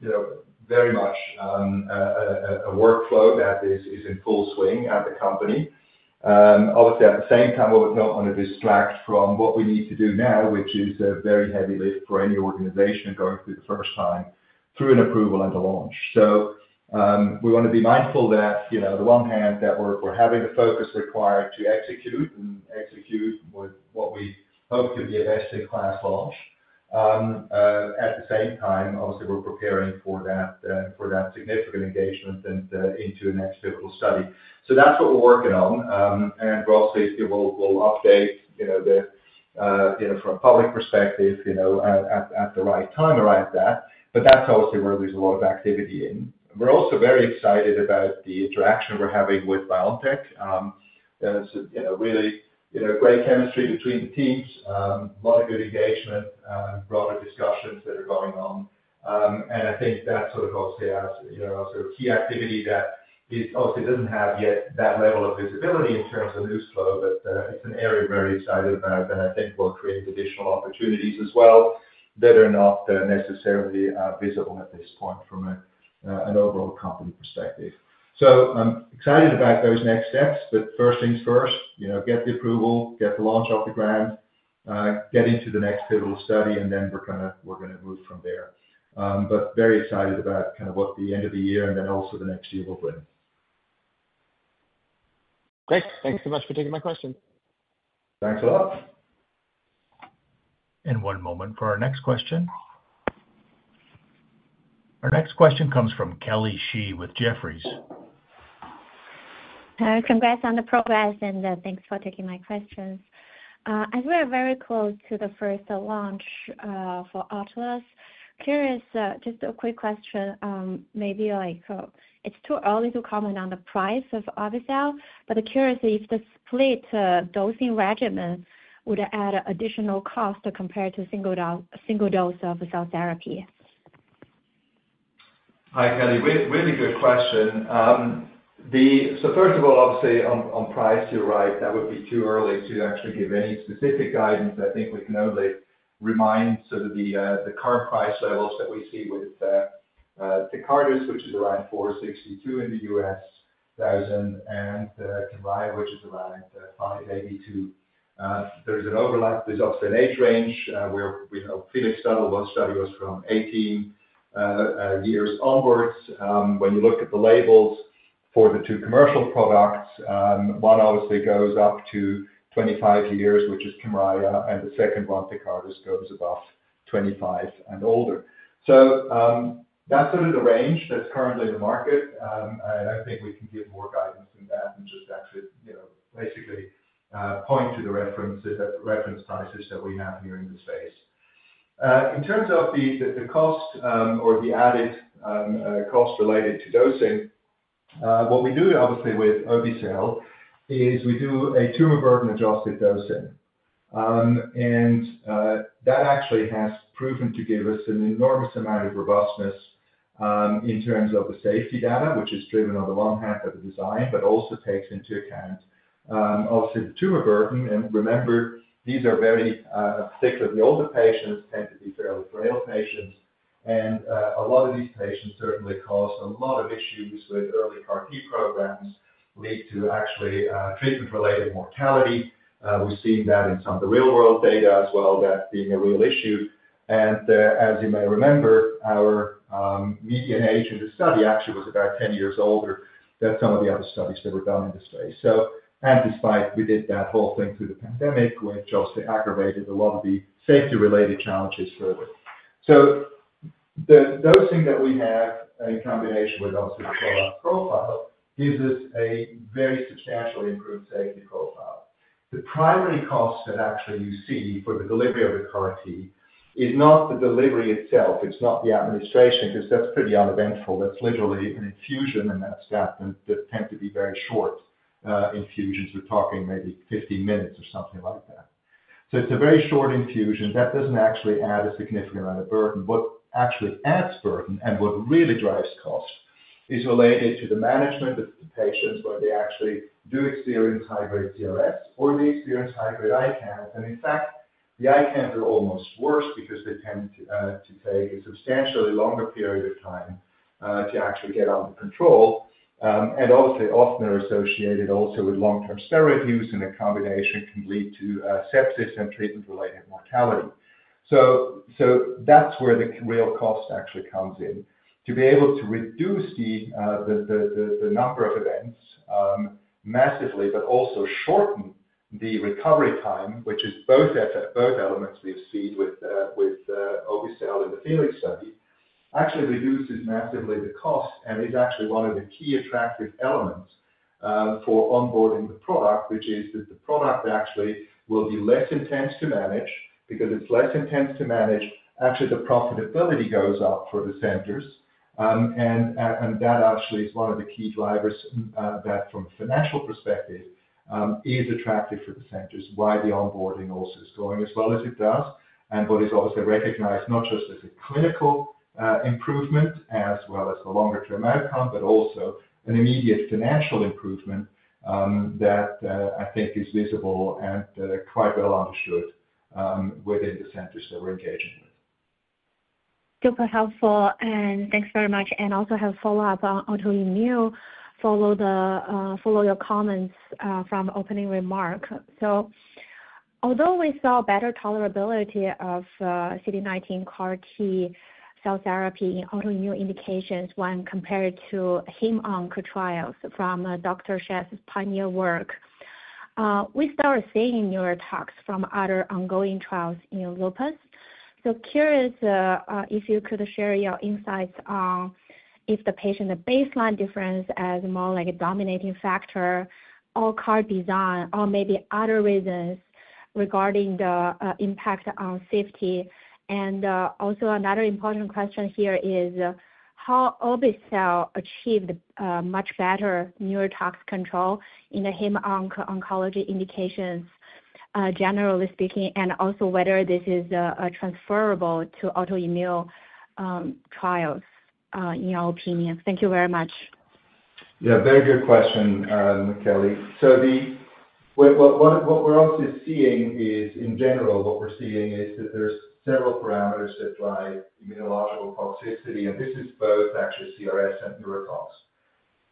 [SPEAKER 3] you know, very much, a workflow that is in full swing at the company. Obviously, at the same time, we would not want to distract from what we need to do now, which is a very heavy lift for any organization going through the first time through an approval and a launch. So, we want to be mindful that, you know, on the one hand, that we're having the focus required to execute, and execute with what we hope to be a best-in-class launch. At the same time, obviously, we're preparing for that, for that significant engagement and, into the next clinical study. So that's what we're working on. And we'll obviously update, you know, the, you know, from a public perspective, you know, at the right time around that. But that's obviously where there's a lot of activity in. We're also very excited about the interaction we're having with BioNTech. There's, you know, really, you know, great chemistry between the teams. A lot of good engagement, and broader discussions that are going on. And I think that sort of obviously has, you know, sort of key activity that is obviously doesn't have yet that level of visibility in terms of news flow, but, it's an area we're very excited about, and I think will create additional opportunities as well, that are not, necessarily, visible at this point from a, an overall company perspective. So I'm excited about those next steps, but first things first, you know, get the approval, get the launch off the ground, get into the next pivotal study, and then we're gonna move from there. But very excited about kind of what the end of the year and then also the next year will bring.
[SPEAKER 6] Great. Thank you so much for taking my question.
[SPEAKER 3] Thanks a lot.
[SPEAKER 1] One moment for our next question. Our next question comes from Kelly Shi with Jefferies.
[SPEAKER 7] Hi, congrats on the progress, and thanks for taking my questions. As we are very close to the first launch for Autolus, curious, just a quick question, maybe like, it's too early to comment on the price of obe-cel, but curiously, if the split dosing regimen would add additional cost compared to single dose of cell therapy?
[SPEAKER 3] Hi, Kelly. Really good question. So first of all, obviously, on price, you're right, that would be too early to actually give any specific guidance. I think we can only remind sort of the current price levels that we see with Tecartus, which is around $462,000 in the U.S., and Kymriah, which is around $582,000. There is an overlap. There's also an age range, where, you know, FELIX study, one study goes from 18 years onwards. When you look at the labels for the two commercial products, one obviously goes up to 25 years, which is Kymriah, and the second one, Tecartus, goes above 25 and older. So, that's sort of the range that's currently in the market. I think we can give more guidance than that and just actually, you know, basically, point to the reference prices that we have here in the space. In terms of the cost, or the added cost related to dosing, what we do obviously with obe-cel is we do a tumor burden adjusted dosing. And that actually has proven to give us an enormous amount of robustness in terms of the safety data, which is driven on the one hand by the design, but also takes into account, obviously the tumor burden. And remember, these are very particularly the older patients, tend to be fairly frail patients, and a lot of these patients certainly cause a lot of issues with early CAR T programs, lead to actually treatment-related mortality. We've seen that in some of the real-world data as well, that being a real issue. And, as you may remember, our median age in the study actually was about 10 years older than some of the other studies that were done in the space. And despite we did that whole thing through the pandemic, which also aggravated a lot of the safety-related challenges further. So the dosing that we have in combination with obviously the profile, gives us a very substantially improved safety profile. The primary cost that actually you see for the delivery of the CAR T is not the delivery itself, it's not the administration, because that's pretty uneventful. That's literally an infusion, and that's that, and that tend to be very short infusions. We're talking maybe 15 minutes or something like that. So it's a very short infusion. That doesn't actually add a significant amount of burden. What actually adds burden and what really drives cost is related to the management of the patients, where they actually do experience high-grade CRS or they experience high-grade ICANS. And in fact, the ICANS are almost worse because they tend to take a substantially longer period of time to actually get under control, and obviously often are associated also with long-term steroid use, and the combination can lead to sepsis and treatment-related mortality. So that's where the real cost actually comes in. To be able to reduce the number of events massively, but also shorten the recovery time, which is both elements we've seen with obe-cel in the FELIX study, actually reduces massively the cost and is actually one of the key attractive elements for onboarding the product, which is that the product actually will be less intense to manage. Because it's less intense to manage, actually, the profitability goes up for the centers. And that actually is one of the key drivers, that from a financial perspective, is attractive for the centers, why the onboarding also is going as well as it does, and what is also recognized not just as a clinical, improvement as well as a longer-term outcome, but also an immediate financial improvement, that, I think is visible and, quite well understood within the centers that we're engaging with.
[SPEAKER 7] Super helpful, and thanks very much. And also have a follow-up on autoimmune, follow your comments from opening remark. So although we saw better tolerability of CD19 CAR T cell therapy in autoimmune indications when compared to hem/onc trials from Dr. Schett's pioneer work, we started seeing neurotox from other ongoing trials in lupus. So curious if you could share your insights on if the patient baseline difference as more like a dominating factor or CAR design or maybe other reasons regarding the impact on safety. And also another important question here is, how obe-cel achieved much better neurotox control in the hem/onc oncology indications generally speaking, and also whether this is transferable to autoimmune trials in your opinion? Thank you very much.
[SPEAKER 3] Yeah, very good question, Kelly. So what we're also seeing is, in general, what we're seeing is that there's several parameters that drive immunological toxicity, and this is both actually CRS and neurotox.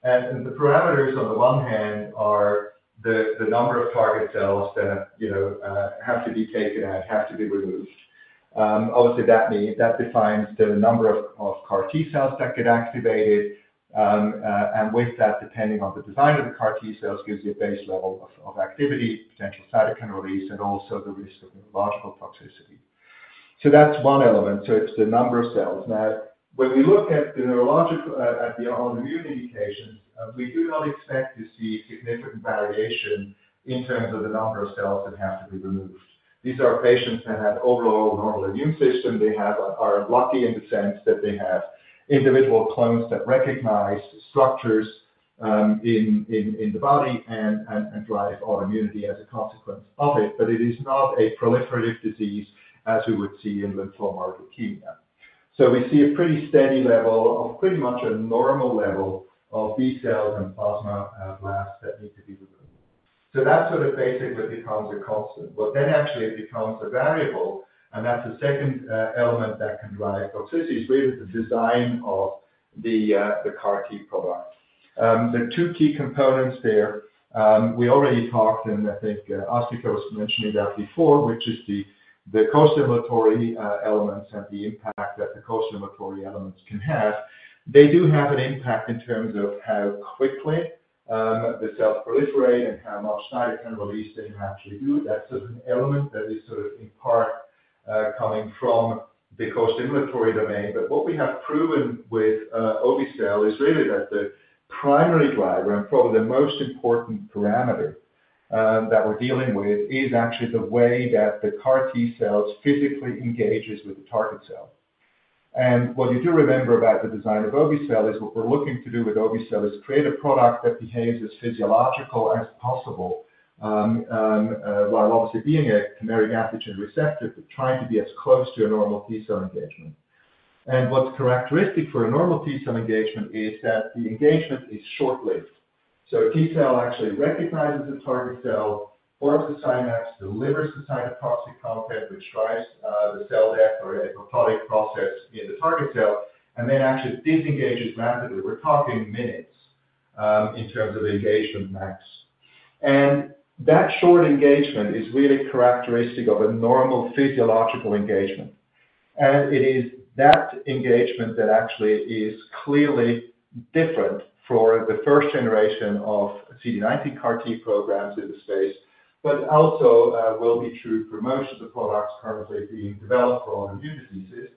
[SPEAKER 3] And the parameters on the one hand are the number of target cells that, you know, have to be taken out, have to be removed. Obviously, that means that defines the number of CAR T cells that get activated, and with that, depending on the design of the CAR T cells, gives you a base level of activity, potential cytokine release, and also the risk of immunological toxicity. So that's one element, so it's the number of cells. Now, when we look at the neurological at the autoimmune indications, we do not expect to see significant variation in terms of the number of cells that have to be removed. These are patients that have overall normal immune system. They have, are lucky in the sense that they have individual clones that recognize structures in the body and drive autoimmunity as a consequence of it, but it is not a proliferative disease as we would see in lymphoma or leukemia. So we see a pretty steady level of pretty much a normal level of B-cells and plasmablasts that need to be removed. So that sort of basically becomes a constant. But then actually it becomes a variable, and that's the second element that can drive toxicity, is really the design of the CAR T product. The two key components there, we already talked, and I think, Asthika was mentioning that before, which is the, the costimulatory, elements and the impact that the costimulatory elements can have. They do have an impact in terms of how quickly, the cells proliferate and how much cytokine release they naturally do. That's an element that is sort of in part, coming from the costimulatory domain. But what we have proven with, obe-cel is really that the primary driver, and probably the most important parameter, that we're dealing with, is actually the way that the CAR T cells physically engages with the target cell. And what you do remember about the design of obe-cel is what we're looking to do with obe-cel is create a product that behaves as physiological as possible, while obviously being a chimeric antigen receptor, but trying to be as close to a normal T-cell engagement. And what's characteristic for a normal T-cell engagement is that the engagement is short-lived. So a T cell actually recognizes the target cell, forms the synapse, delivers the cytotoxic content, which drives the cell death or apoptotic process in the target cell, and then actually disengages rapidly. We're talking minutes in terms of the engagement max. And that short engagement is really characteristic of a normal physiological engagement. It is that engagement that actually is clearly different for the first generation of CD19 CAR T programs in the space, but also will be true for most of the products currently being developed for autoimmune diseases.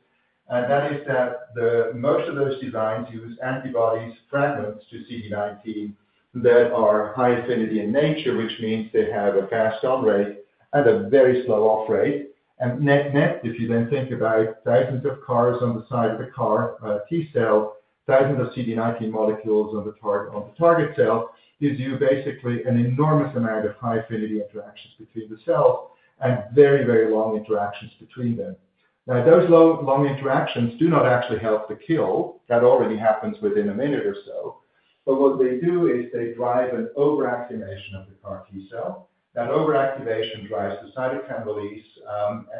[SPEAKER 3] That is that most of those designs use antibodies, fragments to CD19, that are high affinity in nature, which means they have a fast on rate and a very slow off rate. Net, net, if you then think about thousands of CARs on the side of the CAR T cell, thousands of CD19 molecules on the target, on the target cell, gives you basically an enormous amount of high affinity interactions between the cell and very, very long interactions between them. Now, those low, long interactions do not actually help the kill. That already happens within a minute or so. But what they do is they drive an overactivation of the CAR T cell. That overactivation drives the cytokine release,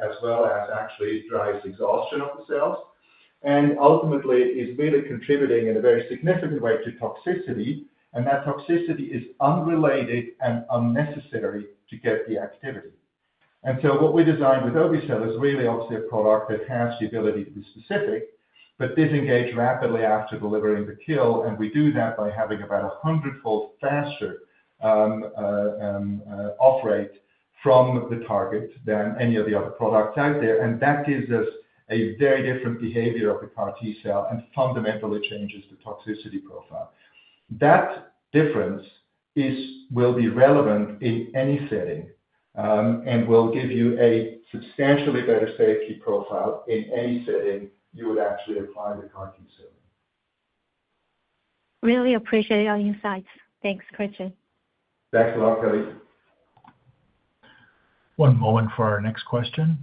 [SPEAKER 3] as well as actually drives exhaustion of the cells, and ultimately is really contributing in a very significant way to toxicity, and that toxicity is unrelated and unnecessary to get the activity. And so what we designed with obe-cel is really obviously a product that has the ability to be specific, but disengage rapidly after delivering the kill, and we do that by having about 100-fold faster off rate from the target than any of the other products out there. And that gives us a very different behavior of the CAR T cell and fundamentally changes the toxicity profile. That difference will be relevant in any setting, and will give you a substantially better safety profile in any setting you would actually apply the CAR T cell.
[SPEAKER 7] Really appreciate your insights. Thanks, Christian.
[SPEAKER 3] Thanks a lot, Kelly.
[SPEAKER 1] One moment for our next question.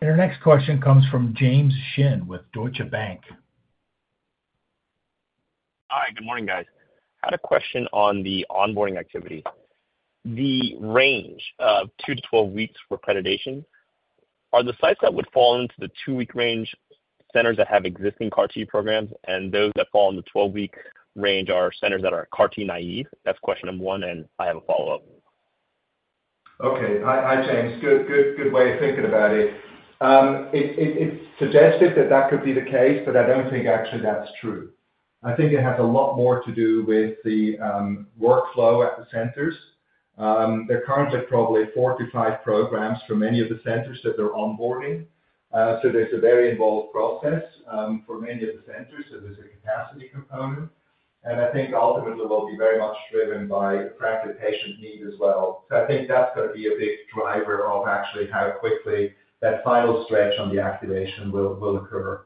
[SPEAKER 1] Our next question comes from James Shin with Deutsche Bank.
[SPEAKER 8] Hi, good morning, guys. I had a question on the onboarding activity. The range of two to 12 weeks for accreditation, are the sites that would fall into the two week range centers that have existing CAR T programs, and those that fall in the 12-week range are centers that are CAR T naive? That's question number 1, and I have a follow-up.
[SPEAKER 3] Okay. Hi, hi, James. Good, good, good way of thinking about it. It's suggested that that could be the case, but I don't think actually that's true. I think it has a lot more to do with the workflow at the centers. There are currently probably 4 to 5 programs for many of the centers that they're onboarding. So there's a very involved process for many of the centers, so there's a capacity component. And I think ultimately, we'll be very much driven by frankly, patient need as well. So I think that's gonna be a big driver of actually how quickly that final stretch on the activation will occur.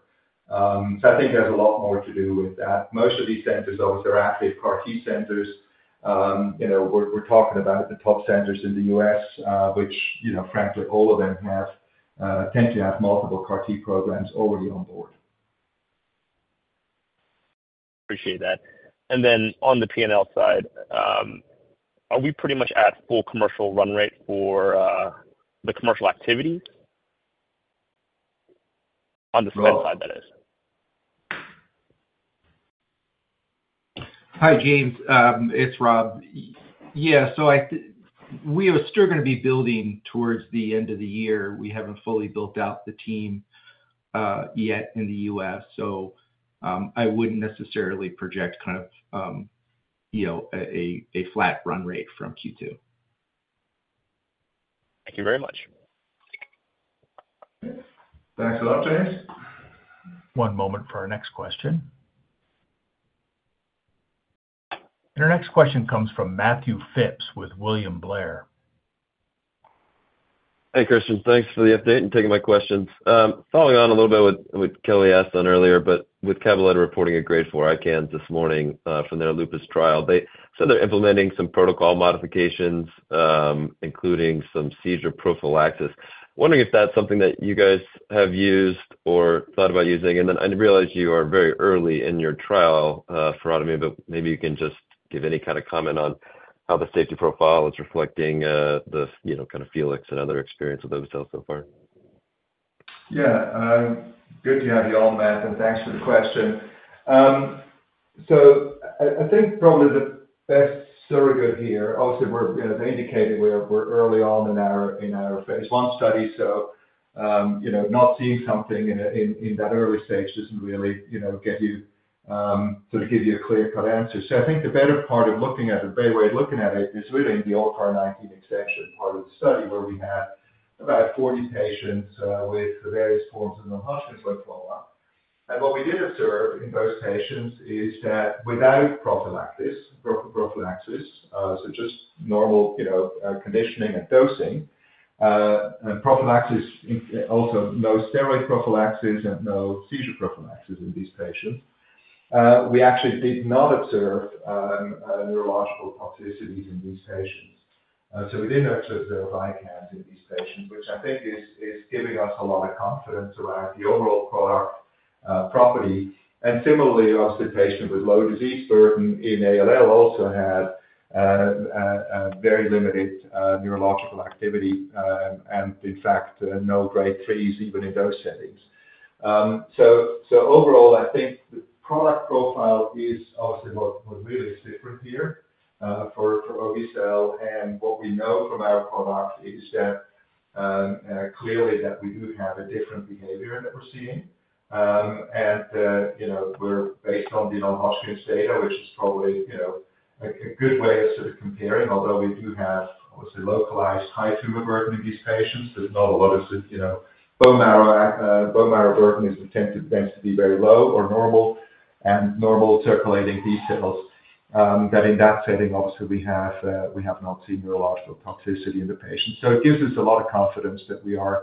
[SPEAKER 3] So I think there's a lot more to do with that. Most of these centers, obviously, are active CAR T centers. You know, we're talking about the top centers in the U.S., which, you know, frankly, all of them have tend to have multiple CAR T programs already on board.
[SPEAKER 8] Appreciate that. And then on the P&L side, are we pretty much at full commercial run rate for the commercial activity? On the spend side, that is.
[SPEAKER 4] Hi, James. It's Rob. Yeah, so we are still gonna be building towards the end of the year. We haven't fully built out the team yet in the U.S., so I wouldn't necessarily project kind of, you know, a flat run rate from Q2.
[SPEAKER 8] Thank you very much.
[SPEAKER 3] Thanks a lot, James.
[SPEAKER 1] One moment for our next question. Our next question comes from Matthew Phipps with William Blair.
[SPEAKER 9] Hey, Christian. Thanks for the update and taking my questions. Following on a little bit with what Kelly asked on earlier, but with Cabaletta reporting a grade four ICANS this morning from their Lupus trial. They said they're implementing some protocol modifications, including some seizure prophylaxis. Wondering if that's something that you guys have used or thought about using? And then I realize you are very early in your trial for me, but maybe you can just give any kind of comment on how the safety profile is reflecting the, you know, kind of FELIX and other experience with obe-cel so far.
[SPEAKER 3] Yeah, good to have you on, Matt, and thanks for the question. So I think probably the best surrogate here, obviously, we're, you know, as I indicated, we're early on in our phase I study, so you know, not seeing something in in that early stage doesn't really, you know, get you sort of give you a clear-cut answer. So I think the better part of looking at it, a better way of looking at it, is really in the ALLCAR19 extension part of the study, where we had about 40 patients with various forms of non-Hodgkin lymphoma. What we did observe in those patients is that without prophylaxis, so just normal, you know, conditioning and dosing, and prophylaxis, and also no steroid prophylaxis and no seizure prophylaxis in these patients, we actually did not observe neurological toxicities in these patients. So we didn't observe the ICANS in these patients, which I think is giving us a lot of confidence around the overall product property. And similarly, obviously, patients with low disease burden in ALL also had a very limited neurological activity, and in fact, no Grade 3s even in those settings. So overall, I think the product profile is obviously what really is different here, for obe-cel. What we know from our product is that, clearly, that we do have a different behavior that we're seeing. And, you know, we're based on the non-Hodgkin's data, which is probably, you know, a good way of sort of comparing, although we do have, obviously, localized high tumor burden in these patients. There's not a lot of, you know, bone marrow burden tends to be very low or normal and normal circulating B cells, that in that setting, obviously, we have not seen neurological toxicity in the patient. So it gives us a lot of confidence that we are,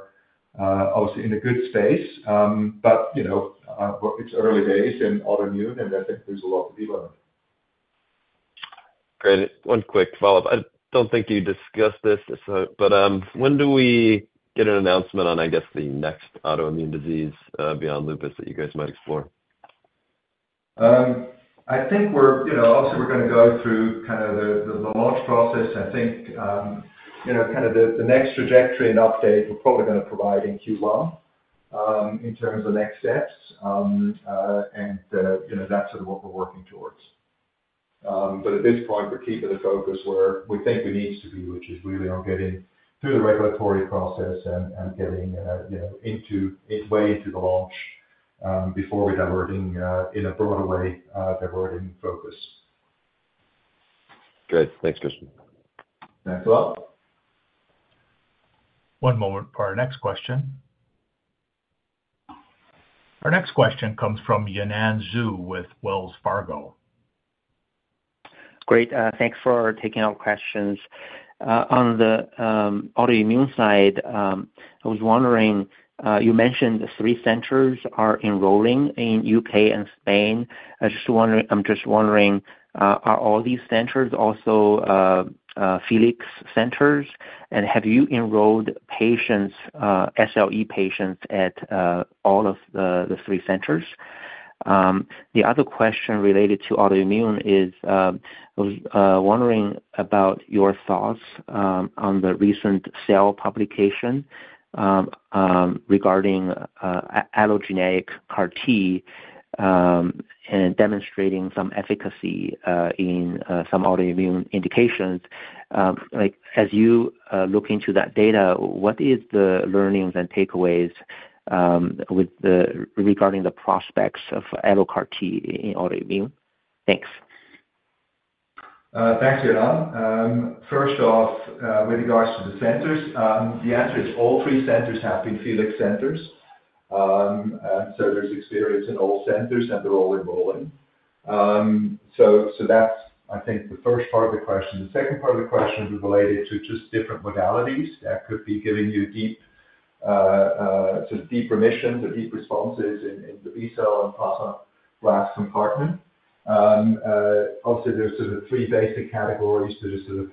[SPEAKER 3] obviously in a good space. But, you know, well, it's early days in autoimmune, and I think there's a lot to be learned.
[SPEAKER 9] Great. One quick follow-up. I don't think you discussed this, so. But, when do we get an announcement on, I guess, the next autoimmune disease beyond lupus that you guys might explore?
[SPEAKER 3] I think we're, you know, obviously, we're gonna go through kind of the launch process. I think, you know, kind of the next trajectory and update, we're probably gonna provide in Q1, in terms of next steps. And, you know, that's sort of what we're working towards. But at this point, we're keeping the focus where we think it needs to be, which is really on getting through the regulatory process and getting, you know, into its way into the launch, before we're diverting, in a broader way, diverting focus.
[SPEAKER 9] Great. Thanks, Christian.
[SPEAKER 3] Thanks a lot.
[SPEAKER 1] One moment for our next question. Our next question comes from Yanan Zhu with Wells Fargo.
[SPEAKER 10] Great, thanks for taking our questions. On the autoimmune side, I was wondering, you mentioned the three centers are enrolling in U.K. and Spain. I'm just wondering, are all these centers also FELIX centers? And have you enrolled patients, SLE patients at all of the three centers? The other question related to autoimmune is wondering about your thoughts on the recent Cell publication regarding allogeneic CAR T and demonstrating some efficacy in some autoimmune indications. Like, as you look into that data, what is the learnings and takeaways regarding the prospects of allo CAR T in autoimmune? Thanks.
[SPEAKER 3] Thanks, Yanan. First off, with regards to the centers, the answer is all three centers have been FELIX centers. And so there's experience in all centers, and they're all enrolling. So that's, I think, the first part of the question. The second part of the question was related to just different modalities that could be giving you deep, sort of deep remission or deep responses in the B-cell and plasmablast compartment. Obviously, there's sort of three basic categories that are sort of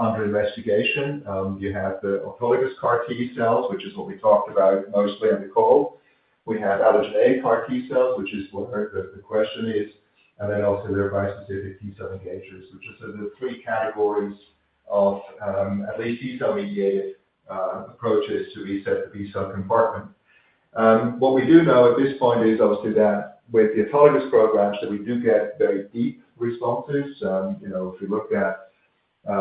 [SPEAKER 3] under investigation. You have the autologous CAR T-cells, which is what we talked about mostly on the call. We have allogeneic CAR T cells, which is what the question is, and then also there are bispecific T-cell engagers, which are sort of the three categories of at least T-cell mediated approaches to reset the B-cell compartment. What we do know at this point is obviously that with the autologous programs, that we do get very deep responses. You know, if you look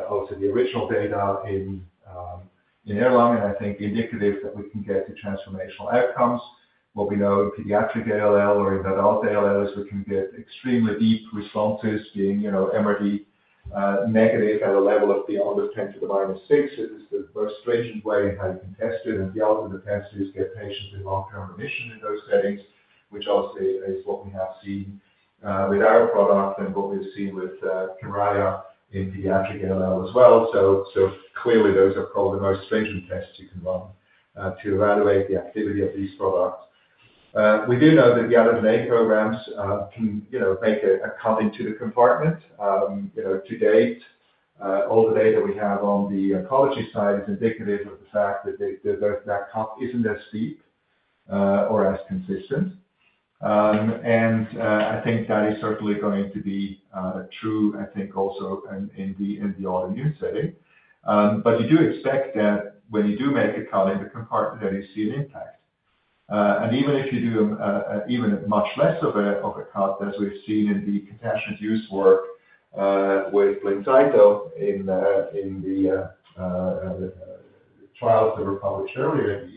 [SPEAKER 3] at, obviously the original data in ALL, and I think indicative that we can get to transformational outcomes. What we know in pediatric ALL or in adult ALL, is we can get extremely deep responses being, you know, MRD negative at a level of beyond the ten to the minus six. It is the most stringent way you can test it, and the ultimate test is get patients in long-term remission in those settings, which obviously is what we have seen with our product and what we've seen with Kymriah in pediatric ALL as well. So clearly those are probably the most stringent tests you can run to evaluate the activity of these products. We do know that the allogeneic programs can, you know, make a cut into the compartment. You know, to date, all the data we have on the oncology side is indicative of the fact that the cut isn't as deep or as consistent. And I think that is certainly going to be true, I think also in the autoimmune setting. But you do expect that when you do make a cut in the compartment, that you see an impact. And even if you do even much less of a cut, as we've seen in the compassionate use work with Blincyto in the trials that were published earlier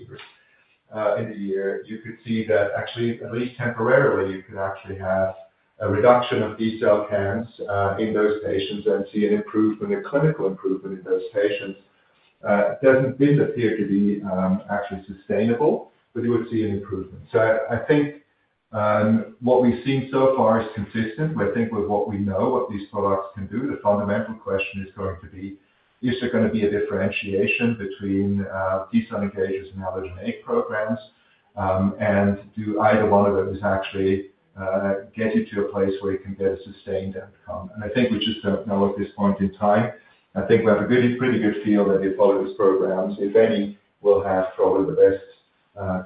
[SPEAKER 3] in the year, you could see that actually, at least temporarily, you could actually have a reduction of B-cell counts in those patients and see an improvement, a clinical improvement in those patients. It doesn't appear to be actually sustainable, but you would see an improvement. So I think what we've seen so far is consistent with what we know, what these products can do. The fundamental question is going to be: Is there gonna be a differentiation between, T-cell engagers and allogeneic programs? And do either one of them is actually, get you to a place where you can get a sustained outcome? And I think we just don't know at this point in time. I think we have a really pretty good feel that the autologous programs, if any, will have probably the best,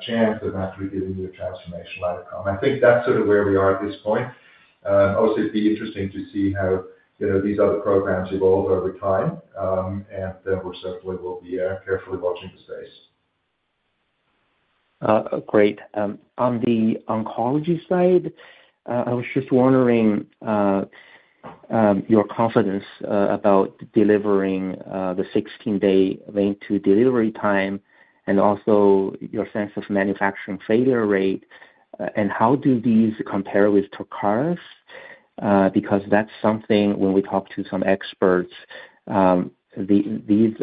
[SPEAKER 3] chance of actually giving you a transformational outcome. I think that's sort of where we are at this point. Obviously, it'd be interesting to see how, you know, these other programs evolve over time. And, we certainly will be, carefully watching the space.
[SPEAKER 10] Great. On the oncology side, I was just wondering about your confidence about delivering the 16-day vein-to-delivery time and also your sense of manufacturing failure rate, and how do these compare with Tecartus's? Because that's something when we talk to some experts, these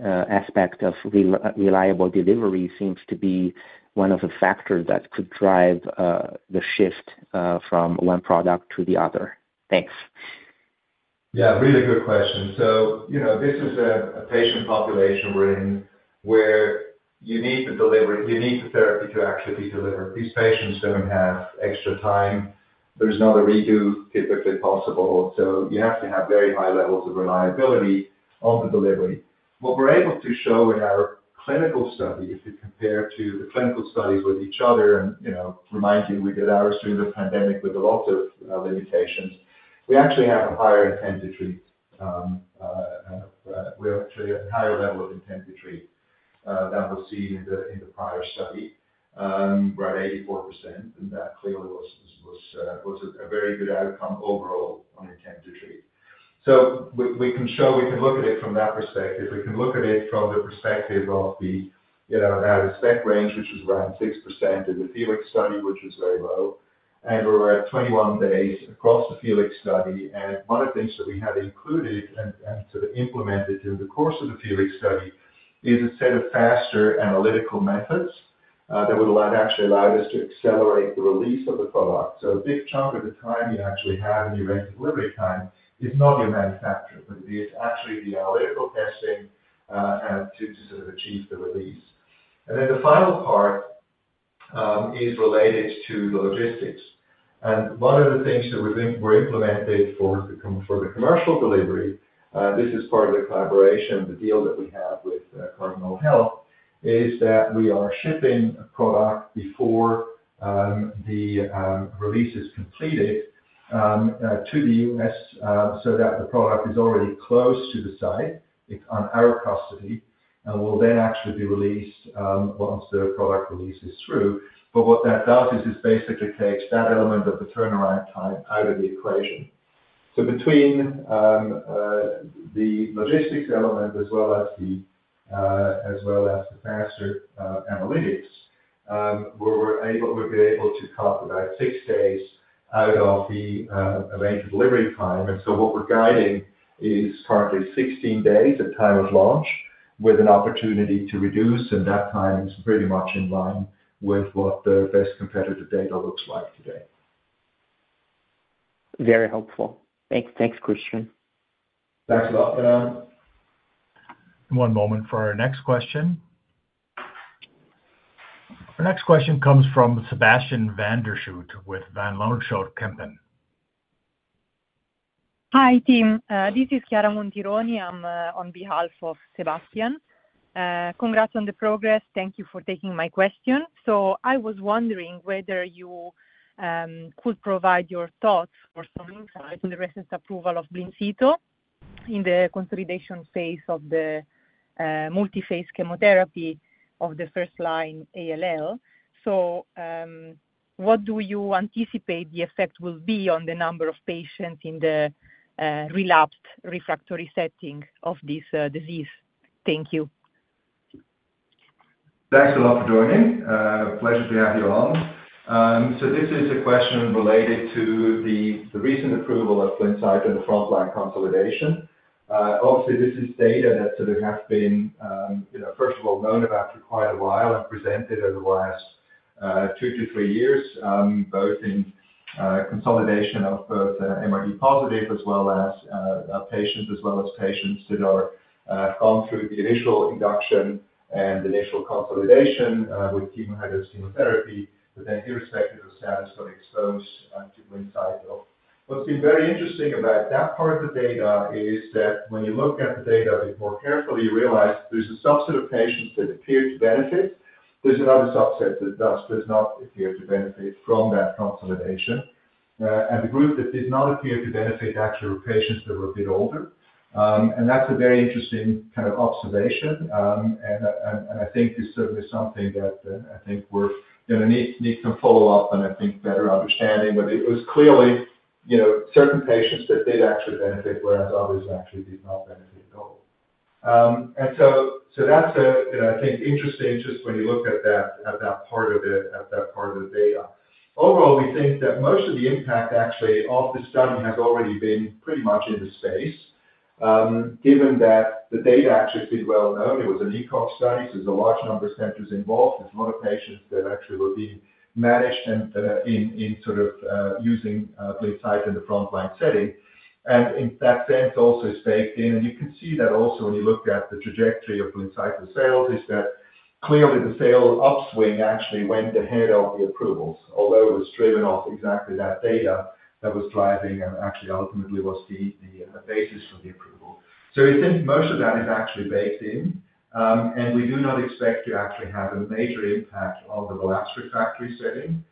[SPEAKER 10] aspects of reliable delivery seems to be one of the factors that could drive the shift from one product to the other. Thanks.
[SPEAKER 3] Yeah, really good question. So, you know, this is a patient population we're in, where you need to deliver. You need the therapy to actually be delivered. These patients don't have extra time. There's not a redo typically possible, so you have to have very high levels of reliability of the delivery. What we're able to show in our clinical study, if you compare to the clinical studies with each other and, you know, remind you, we did ours through the pandemic with a lot of limitations. We actually have a higher intent to treat, we have actually a higher level of intent to treat than we've seen in the prior study, around 84%, and that clearly was a very good outcome overall on intent to treat. So we can show. We can look at it from that perspective. We can look at it from the perspective of the, you know, out-of-spec range, which is around 6% in the FELIX study, which is very low, and we're at 21 days across the FELIX study. And one of the things that we have included and sort of implemented through the course of the FELIX study is a set of faster analytical methods that would allow, actually allowed us to accelerate the release of the product. So a big chunk of the time you actually have in your delivery time is not your manufacturer, but it is actually the analytical testing and to sort of achieve the release. And then the final part is related to the logistics. And one of the things that we're doing, we're implementing for the commercial delivery, this is part of the collaboration, the deal that we have with Cardinal Health, is that we are shipping product before the release is completed to the U.S., so that the product is already close to the site. It's in our custody, and will then actually be released once the product release is through. But what that does is, it basically takes that element of the turnaround time out of the equation. So between the logistics element as well as the faster analytics, we'll be able to cut about six days out of the arranged delivery time. So what we're guiding is currently 16 days at time of launch, with an opportunity to reduce, and that time is pretty much in line with what the best competitive data looks like today.
[SPEAKER 10] Very helpful. Thanks. Thanks, Christian.
[SPEAKER 3] Thanks a lot, Yanan.
[SPEAKER 1] One moment for our next question. Our next question comes from Sebastian Van der Schuit with Van Lanschot Kempen.
[SPEAKER 11] Hi, team. This is Chiara Montironi. I'm on behalf of Sebastian. Congrats on the progress. Thank you for taking my question. So I was wondering whether you could provide your thoughts or some insight on the recent approval of Blincyto in the consolidation phase of the multi-phase chemotherapy of the first line ALL. So, what do you anticipate the effect will be on the number of patients in the relapsed refractory setting of this disease? Thank you.
[SPEAKER 3] Thanks a lot for joining. A pleasure to have you along. So this is a question related to the recent approval of Blincyto in the frontline consolidation. Obviously, this is data that sort of has been, you know, first of all, known about for quite a while and presented over the last two to three years, both in consolidation of both MRD positive as well as patients, as well as patients that are gone through the initial induction and initial consolidation with chemo, high-dose chemotherapy, but then irrespective of status, got exposed to Blincyto. What's been very interesting about that part of the data is that when you look at the data a bit more carefully, you realize there's a subset of patients that appear to benefit. There's another subset that does not appear to benefit from that consolidation. The group that did not appear to benefit actually were patients that were a bit older. That's a very interesting kind of observation. I think this is certainly something that I think we're, you know, need, needs some follow-up and I think better understanding. But it was clearly, you know, certain patients that did actually benefit, whereas others actually did not benefit at all. That's, you know, I think interesting, just when you look at that, at that part of it, at that part of the data. Overall, we think that most of the impact, actually, of the study has already been pretty much in the space. Given that the data actually has been well known, it was an ECOG study, so there's a large number of centers involved. There's a lot of patients that actually will be managed and, in, in sort of, using Blincyto in the frontline setting. And in that sense, also is baked in. And you can see that also when you look at the trajectory of Blincyto sales, is that clearly the sales upswing actually went ahead of the approvals, although it was driven off exactly that data that was driving and actually ultimately was the, the basis for the approval. So we think most of that is actually baked in, and we do not expect to actually have a major impact on the relapsed refractory setting.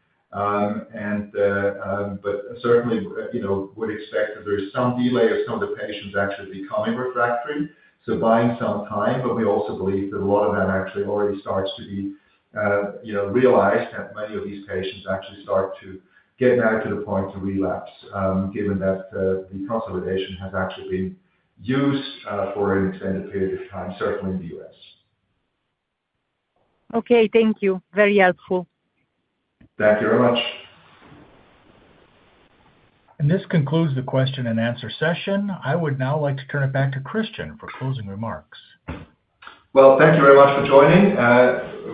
[SPEAKER 3] But certainly, you know, would expect that there is some delay of some of the patients actually becoming refractory, so buying some time. But we also believe that a lot of that actually already starts to be, you know, realized, and many of these patients actually start to get back to the point of relapse, given that, the consolidation has actually been used, for an extended period of time, certainly in the U.S.
[SPEAKER 11] Okay, thank you. Very helpful.
[SPEAKER 3] Thank you very much.
[SPEAKER 1] This concludes the question and answer session. I would now like to turn it back to Christian for closing remarks.
[SPEAKER 3] Well, thank you very much for joining.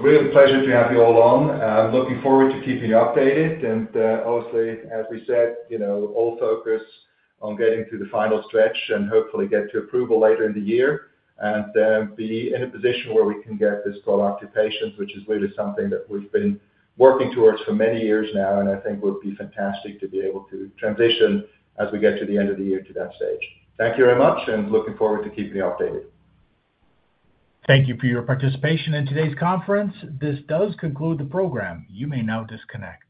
[SPEAKER 3] Really a pleasure to have you all on. I'm looking forward to keeping you updated, and, obviously, as we said, you know, all focus on getting to the final stretch and hopefully get to approval later in the year. And, be in a position where we can get this product to patients, which is really something that we've been working towards for many years now, and I think would be fantastic to be able to transition as we get to the end of the year to that stage. Thank you very much, and looking forward to keeping you updated.
[SPEAKER 1] Thank you for your participation in today's conference. This does conclude the program. You may now disconnect.